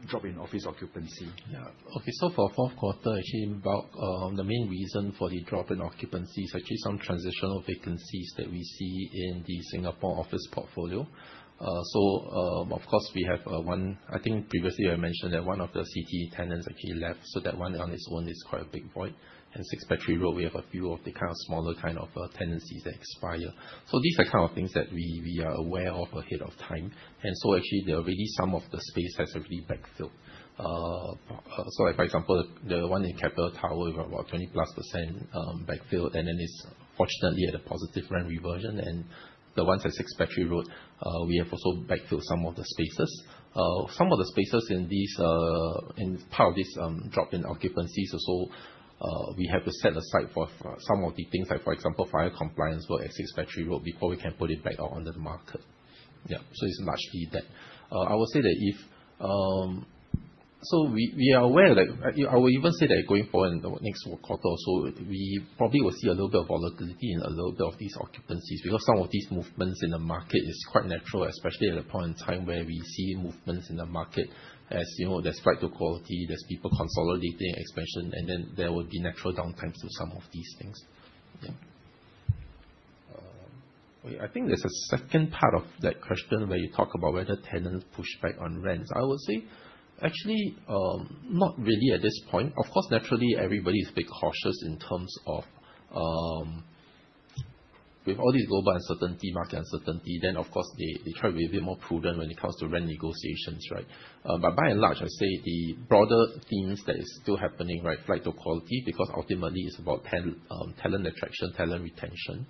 on drop-in office occupancy. Yeah. Okay. For our fourth quarter, actually, the main reason for the drop in occupancy is actually some transitional vacancies that we see in the Singapore office portfolio. Of course, we have one, I think previously I mentioned that one of the city tenants actually left, so that one on its own is quite a big void. At Six Battery Road, we have a few of the smaller kind of tenancies that expire. These are the kind of things that we are aware of ahead of time. Actually, already some of the space has actually backfilled. For example, the one in Capital Tower, we've got about 20%+ backfilled, and then it's fortunately at a positive rent reversion. And the ones at Six Battery Road, we have also backfilled some of the spaces. Some of the spaces in part of this drop in occupancy, so we have to set aside for some of the things like, for example, fire compliance work at Six Battery Road before we can put it back out on the market. Yeah. It's largely that. I will say that we are aware, I would even say that going forward in the next quarter or so, we probably will see a little bit of volatility in a little bit of these occupancies because some of these movements in the market are quite natural, especially at a point in time where we see movements in the market. As you know, there's flight to quality, there's people consolidating expansion, and then there will be natural downtimes to some of these things. Yeah. I think there's a second part of that question where you talk about whether tenants push back on rents. I would say, actually, not really at this point. Of course, naturally, everybody's a bit cautious in terms of with all this global uncertainty, market uncertainty, they try to be a bit more prudent when it comes to rent negotiations, right? By and large, I say the broader themes that are still happening, flight to quality, because ultimately it's about talent attraction, talent retention.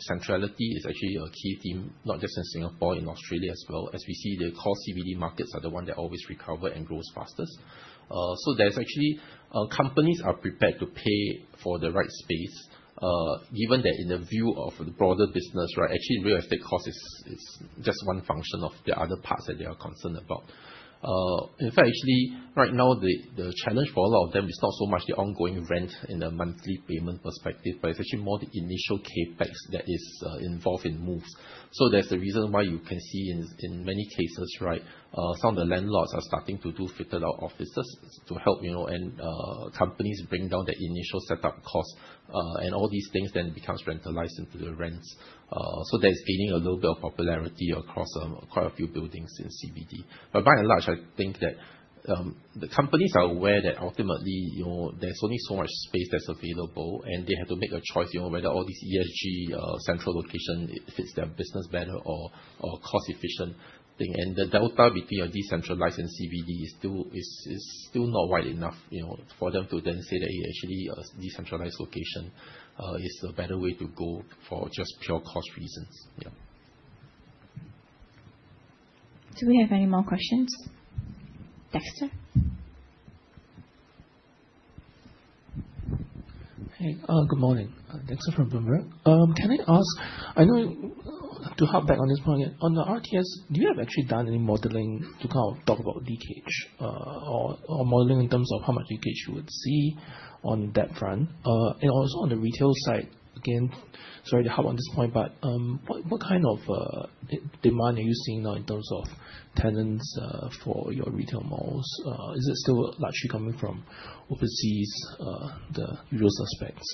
Centrality is actually a key theme, not just in Singapore, in Australia as well, as we see the core CBD markets are the ones that always recover and grow fastest. There's actually companies are prepared to pay for the right space. Given that in the view of the broader business, actually, real estate cost is just one function of the other parts that they are concerned about. In fact, actually right now, the challenge for a lot of them is not so much the ongoing rent in the monthly payment perspective, but it's actually more the initial CapEx that is involved in moves. That's the reason why you can see in many cases, some of the landlords are starting to do fitted out offices to help companies bring down their initial setup costs. All these things then become rentalized into the rents. That's gaining a little bit of popularity across quite a few buildings in CBD. By and large, I think that the companies are aware that ultimately, there's only so much space that's available, and they have to make a choice, whether all this ESG central location fits their business better or cost-efficient thing. The delta between a decentralized and CBD is still not wide enough for them to then say that actually a decentralized location is a better way to go for just pure cost reasons. Yeah. Do we have any more questions? Dexter? Hey. Good morning. Dexter from Bloomberg. Can I ask, I know to hop back on this point, on the RTS, do you have actually done any modeling to talk about leakage? Or modeling in terms of how much leakage you would see on that front? On the retail side, again, sorry to harp on this point, but what kind of demand are you seeing now in terms of tenants for your retail malls? Is it still largely coming from overseas, the usual suspects?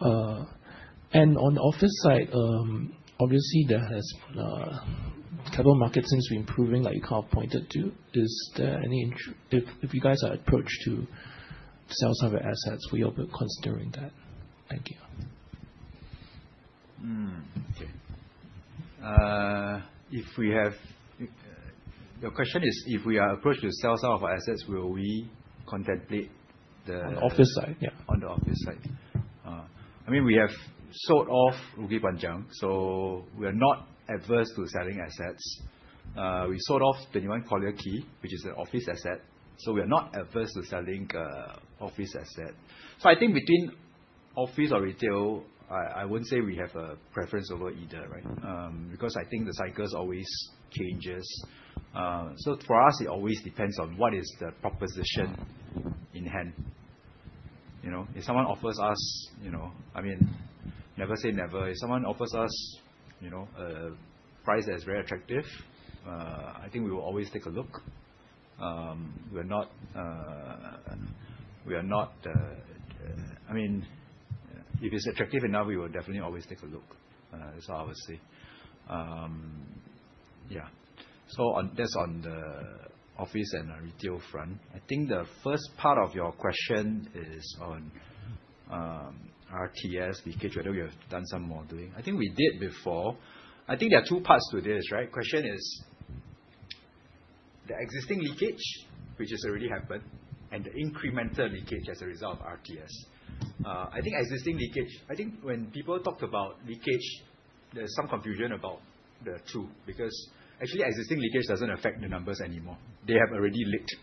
On the office side, obviously Capital markets seems to be improving, like you kind of pointed to. If you guys are approached to sell some of your assets, will you be considering that? Thank you. Your question is, if we are approached to sell some of our assets, will we contemplate. On the office side. Yeah. On the office side. We have sold off Bukit Panjang, we are not adverse to selling assets. We sold off 21 Collyer Quay, which is an office asset. We are not adverse to selling office assets. I think between office or retail, I wouldn't say we have a preference over either, right? I think the cycles always change. For us, it always depends on what is the proposition in hand. If someone offers us, never say never. If someone offers us a price that is very attractive, I think we will always take a look. If it's attractive enough, we will definitely always take a look. That's all I will say. Yeah. That's on the office and retail front. I think the first part of your question is on RTS leakage, whether we have done some modeling. I think we did before. There are two parts to this, right? The question is the existing leakage, which has already happened, and the incremental leakage as a result of RTS. Existing leakage, when people talk about leakage, there's some confusion about the two, because actually existing leakage doesn't affect the numbers anymore. They have already leaked.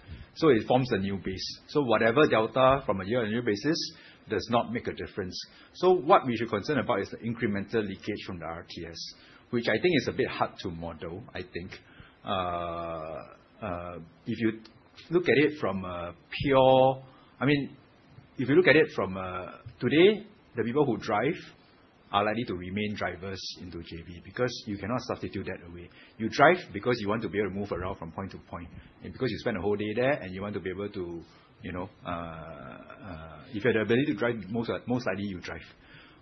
It forms a new base. Whatever delta from a year-on-year basis does not make a difference. What we should be concerned about is the incremental leakage from the RTS. Which is a bit hard to model, I think. Yeah. If you look at it from today, the people who drive are likely to remain drivers into JB, because you cannot substitute that away. You drive because you want to be able to move around from point to point. Because you spend a whole day there, if you have the ability to drive, most likely you drive.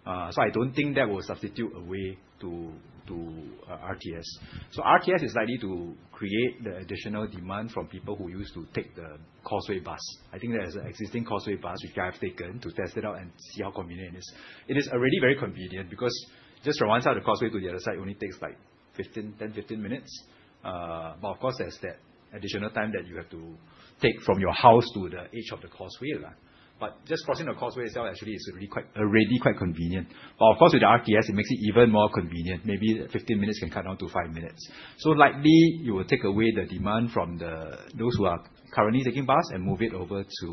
I don't think that will substitute away to RTS. RTS is likely to create the additional demand from people who used to take the Causeway bus. There is an existing Causeway bus, which I've taken to test it out and see how convenient it is. It is already very convenient because just from one side of the Causeway to the other side only takes 10 minutes, 15 minutes. Of course, there's that additional time that you have to take from your house to the edge of the Causeway. Just crossing the Causeway itself actually is already quite convenient. Of course, with the RTS, it makes it even more convenient. Maybe 15 minutes can cut down to five minutes. Likely it will take away the demand from those who are currently taking bus and move it over to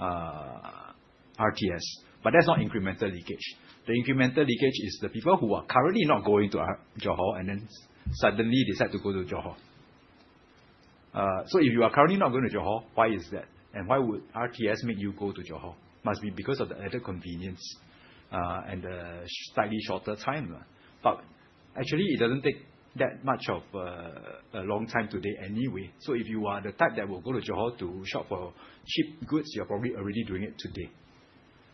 RTS. That's not incremental leakage. The incremental leakage is the people who are currently not going to Johor and then suddenly decide to go to Johor. If you are currently not going to Johor, why is that? Why would RTS make you go to Johor? Must be because of the added convenience, and the slightly shorter time. Actually it doesn't take that much of a long time today anyway. If you are the type that will go to Johor to shop for cheap goods, you're probably already doing it today.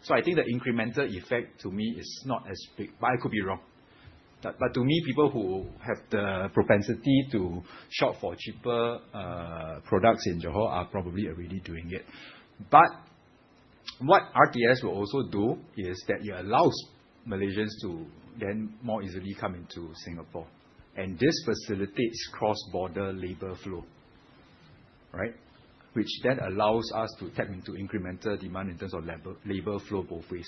I think the incremental effect to me is not as big, but I could be wrong. To me, people who have the propensity to shop for cheaper products in Johor are probably already doing it. What RTS will also do is that it allows Malaysians to then more easily come into Singapore, and this facilitates cross-border labor flow. Right? Which then allows us to tap into incremental demand in terms of labor flow both ways.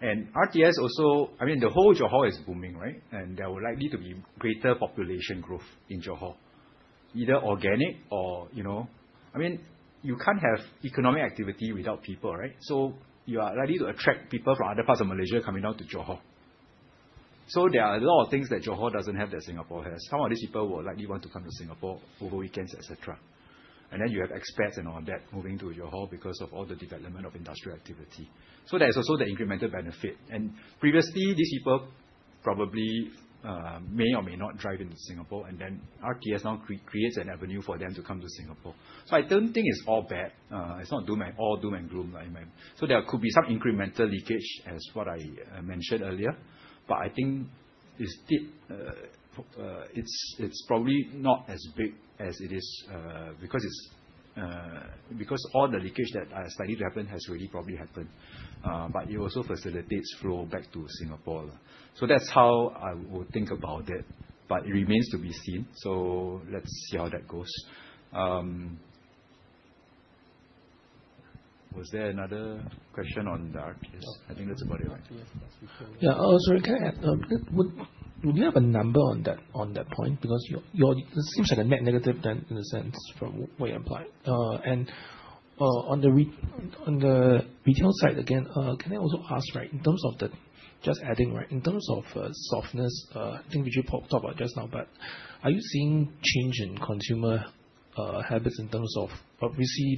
The whole Johor is booming, right? There will likely to be greater population growth in Johor, either organic or, you can't have economic activity without people, right? You are likely to attract people from other parts of Malaysia coming down to Johor. There are a lot of things that Johor doesn't have that Singapore has. Some of these people will likely want to come to Singapore for whole weekends, et cetera. You have expats and all that moving to Johor because of all the development of industrial activity. There's also the incremental benefit. Previously, these people probably, may or may not drive into Singapore, RTS now creates an avenue for them to come to Singapore. I don't think it's all bad. It's not all doom and gloom. There could be some incremental leakage as what I mentioned earlier, but I think it's probably not as big as it is, because all the leakage that is likely to happen has already probably happened. It also facilitates flow back to Singapore. That's how I would think about it, but it remains to be seen. Let's see how that goes. Was there another question on the RTS? I think that's about it. Yeah. Oh, sorry, can I add? Do you have a number on that point? It seems like a net negative then, in a sense, from the way you apply it. On the retail side, again, can I also ask, just adding, in terms of softness, I think VJ talked about just now, but are you seeing change in consumer habits in terms of, obviously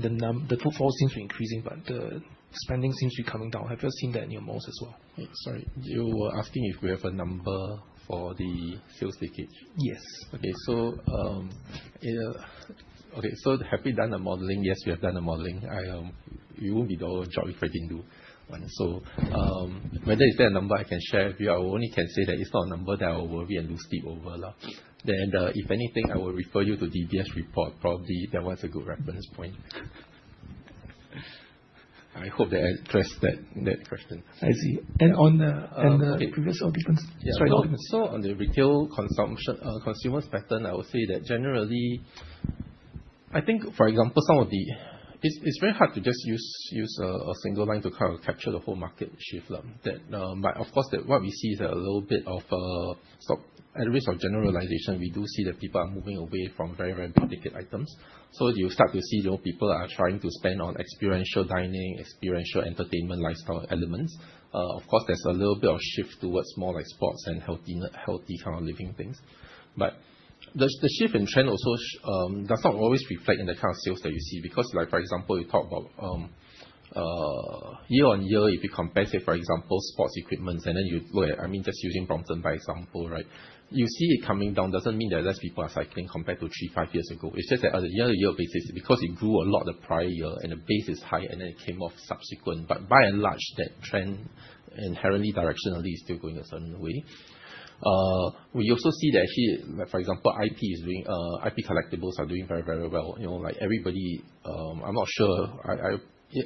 the footfall seems to be increasing but the spending seems to be coming down. Have you seen that in your malls as well? Sorry, you were asking if we have a number for the sales leakage? Yes. Okay. Have we done the modeling? Yes, we have done the modeling. We won't be doing our job if we don't do. Whether is there a number I can share with you? I only can say that it's not a number that I will worry and lose sleep over. If anything, I will refer you to DBS report, probably that one's a good reference point. I hope that I addressed that question. I see. On the previous observations? On the retail consumers pattern, I would say that generally, it's very hard to just use a single line to capture the whole market shift. Of course, what we see is a little bit of a, at the risk of generalization, we do see that people are moving away from very, very particular items. You start to see people are trying to spend on experiential dining, experiential entertainment, lifestyle elements. There's a little bit of shift towards more sports and healthy living things. The shift in trend also does not always reflect in the kind of sales that you see. For example, you talk about year-on-year, if you compare, say for example, sports equipment, and then you look at, just using Brompton by example, right? You see it coming down, doesn't mean that less people are cycling compared to three, five years ago. It's just that at a year-to-year basis, because it grew a lot the prior year and the base is high and then it came off subsequent. By and large, that trend inherently, directionally is still going a certain way. We also see that here, for example, IP collectibles are doing very, very well.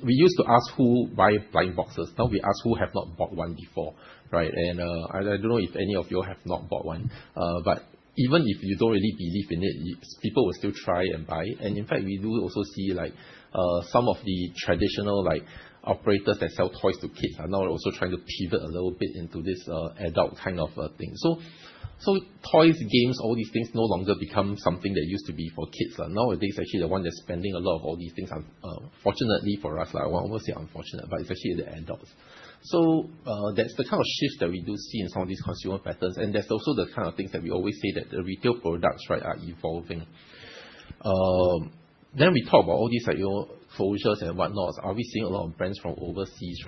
We used to ask who buy blind boxes. Now we ask who have not bought one before, right? I don't know if any of you have not bought one. Even if you don't really believe in it, people will still try and buy. In fact, we do also see some of the traditional operators that sell toys to kids are now also trying to pivot a little bit into this adult kind of thing. Toys, games, all these things no longer become something that used to be for kids. Nowadays, actually the one that's spending a lot of all these things, fortunately for us, I almost said unfortunate, but it's actually the adults. That's the kind of shifts that we do see in some of these consumer patterns, and that's also the kind of things that we always say, that the retail products are evolving. We talk about all these, focuses and whatnot. Are we seeing a lot of brands from overseas?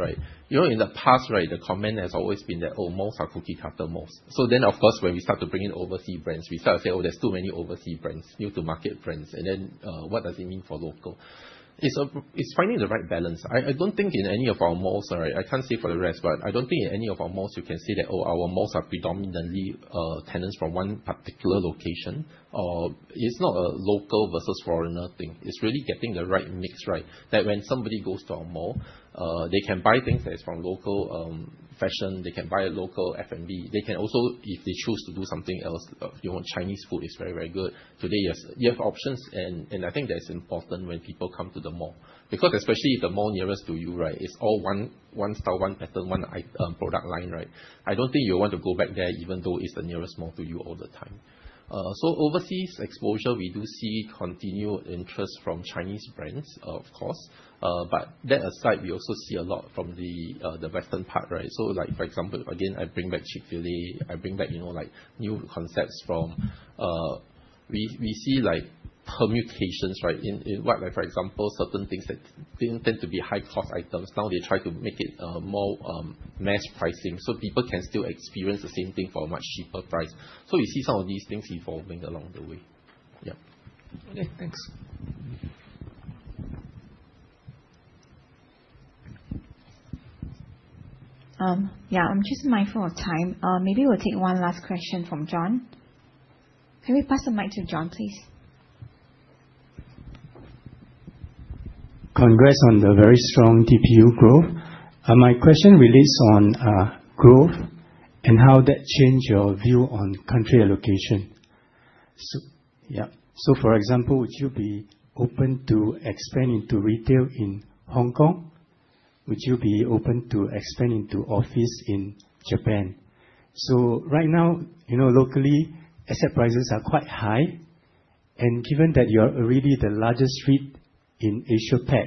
In the past, the comment has always been that, oh, malls are cookie-cutter malls. Of course, when we start to bring in overseas brands, we start to say, oh, there's too many overseas brands, new-to-market brands. What does it mean for local? It's finding the right balance. I don't think in any of our malls, I can't speak for the rest, but I don't think in any of our malls you can say that, oh, our malls are predominantly tenants from one particular location. It's not a local versus foreigner thing. It's really getting the right mix right, that when somebody goes to our mall, they can buy things that is from local fashion, they can buy a local F&B. They can also, if they choose to do something else, if you want Chinese food, it's very good. Today, you have options, and I think that's important when people come to the mall. Especially if the mall nearest to you is all one style, one pattern, one product line, I don't think you'll want to go back there even though it's the nearest mall to you all the time. Overseas exposure, we do see continued interest from Chinese brands, of course. That aside, we also see a lot from the western part. Again, I bring back Chick-fil-A, I bring back new concepts. We see like permutations, right? Certain things that didn't tend to be high-cost items, now they try to make it more mass pricing, so people can still experience the same thing for a much cheaper price. We see some of these things evolving along the way. Yep. Okay, thanks. Yeah, I'm just mindful of time. Maybe we'll take one last question from John. Can we pass the mic to John, please? Congrats on the very strong DPU growth. My question relates on growth and how that change your view on country allocation. Yeah. For example, would you be open to expanding to retail in Hong Kong? Would you be open to expanding to office in Japan? Right now, locally, asset prices are quite high, given that you are already the largest REIT in Asia Pac,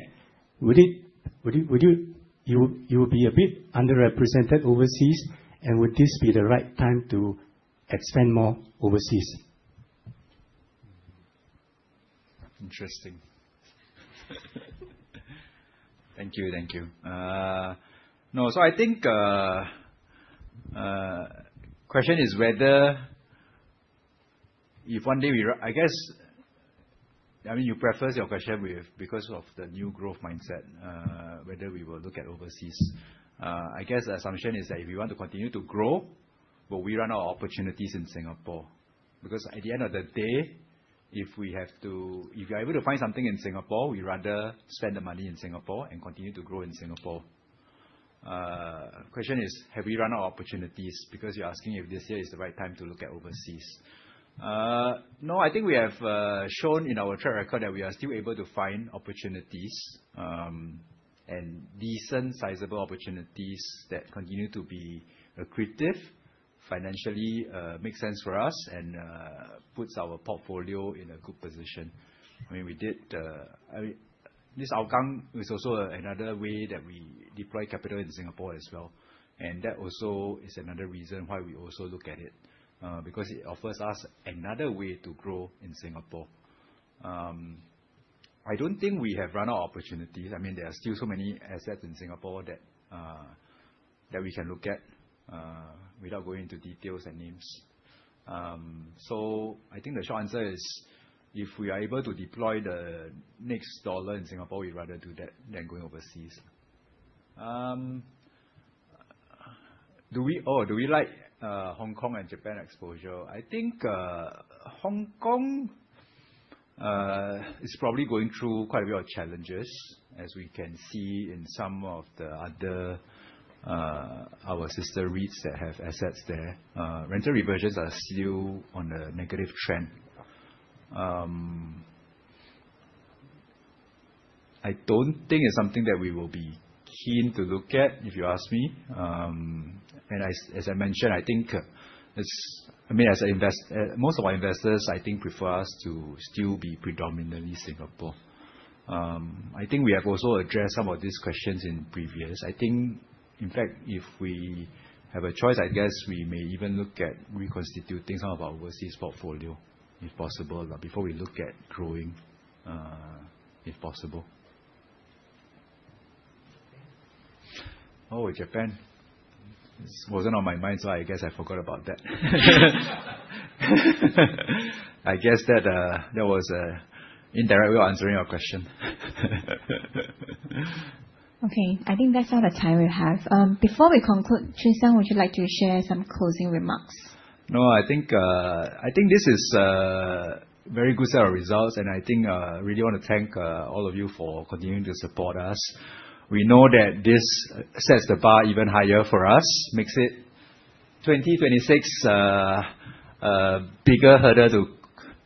would this be the right time to expand more overseas? Interesting. Thank you. I think question is whether if one day I guess, you preface your question with, because of the new growth mindset, whether we will look at overseas. I guess the assumption is that if we want to continue to grow, will we run out of opportunities in Singapore? At the end of the day, if you're able to find something in Singapore, we rather spend the money in Singapore and continue to grow in Singapore. Question is, have we run out of opportunities? You're asking if this year is the right time to look at overseas. No, I think we have shown in our track record that we are still able to find opportunities, decent, sizable opportunities that continue to be accretive, financially make sense for us, puts our portfolio in a good position. This outcome is also another way that we deploy capital in Singapore as well. That also is another reason why we also look at it. It offers us another way to grow in Singapore. I don't think we have run out of opportunities. There are still so many assets in Singapore that we can look at, without going into details and names. I think the short answer is, if we are able to deploy the next dollar in Singapore, we'd rather do that than going overseas. Do we like Hong Kong and Japan exposure? I think Hong Kong is probably going through quite a bit of challenges, as we can see in some of the other, our sister REITs that have assets there. Rental reversions are still on a negative trend. I don't think it's something that we will be keen to look at, if you ask me. As I mentioned, most of our investors, I think prefer us to still be predominantly Singapore. I think we have also addressed some of these questions in previous. I think, in fact, if we have a choice, I guess we may even look at reconstituting some of our overseas portfolio, if possible, before we look at growing. If possible. Oh, Japan. Wasn't on my mind, I guess I forgot about that. I guess that was an indirect way of answering your question. I think that's all the time we have. Before we conclude, Choon Siang, would you like to share some closing remarks? I think this is a very good set of results. I think I really want to thank all of you for continuing to support us. We know that this sets the bar even higher for us, makes it 2026 a bigger hurdle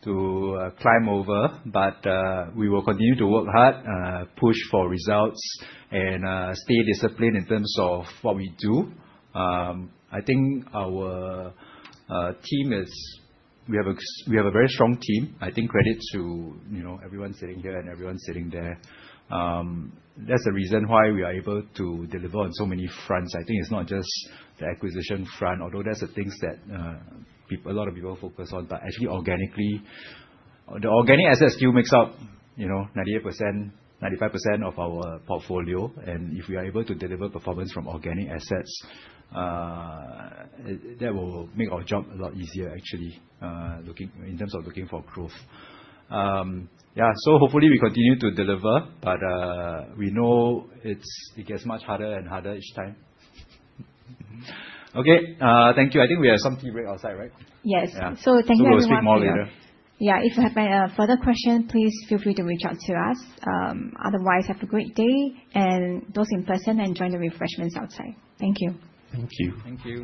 to climb over. We will continue to work hard, push for results, and stay disciplined in terms of what we do. I think we have a very strong team. I think credit to everyone sitting here and everyone sitting there. That's the reason why we are able to deliver on so many fronts. I think it's not just the acquisition front, although that's the things that a lot of people focus on. Actually, the organic assets still makes up 95% of our portfolio. If we are able to deliver performance from organic assets, that will make our job a lot easier, actually, in terms of looking for growth. Hopefully we continue to deliver. We know it gets much harder and harder each time. Okay, thank you. I think we have some tea right outside, right? Yes. Thank you everyone. We'll speak more later. If you have any further question, please feel free to reach out to us. Otherwise, have a great day. Those in person, enjoy the refreshments outside. Thank you. Thank you. Thank you.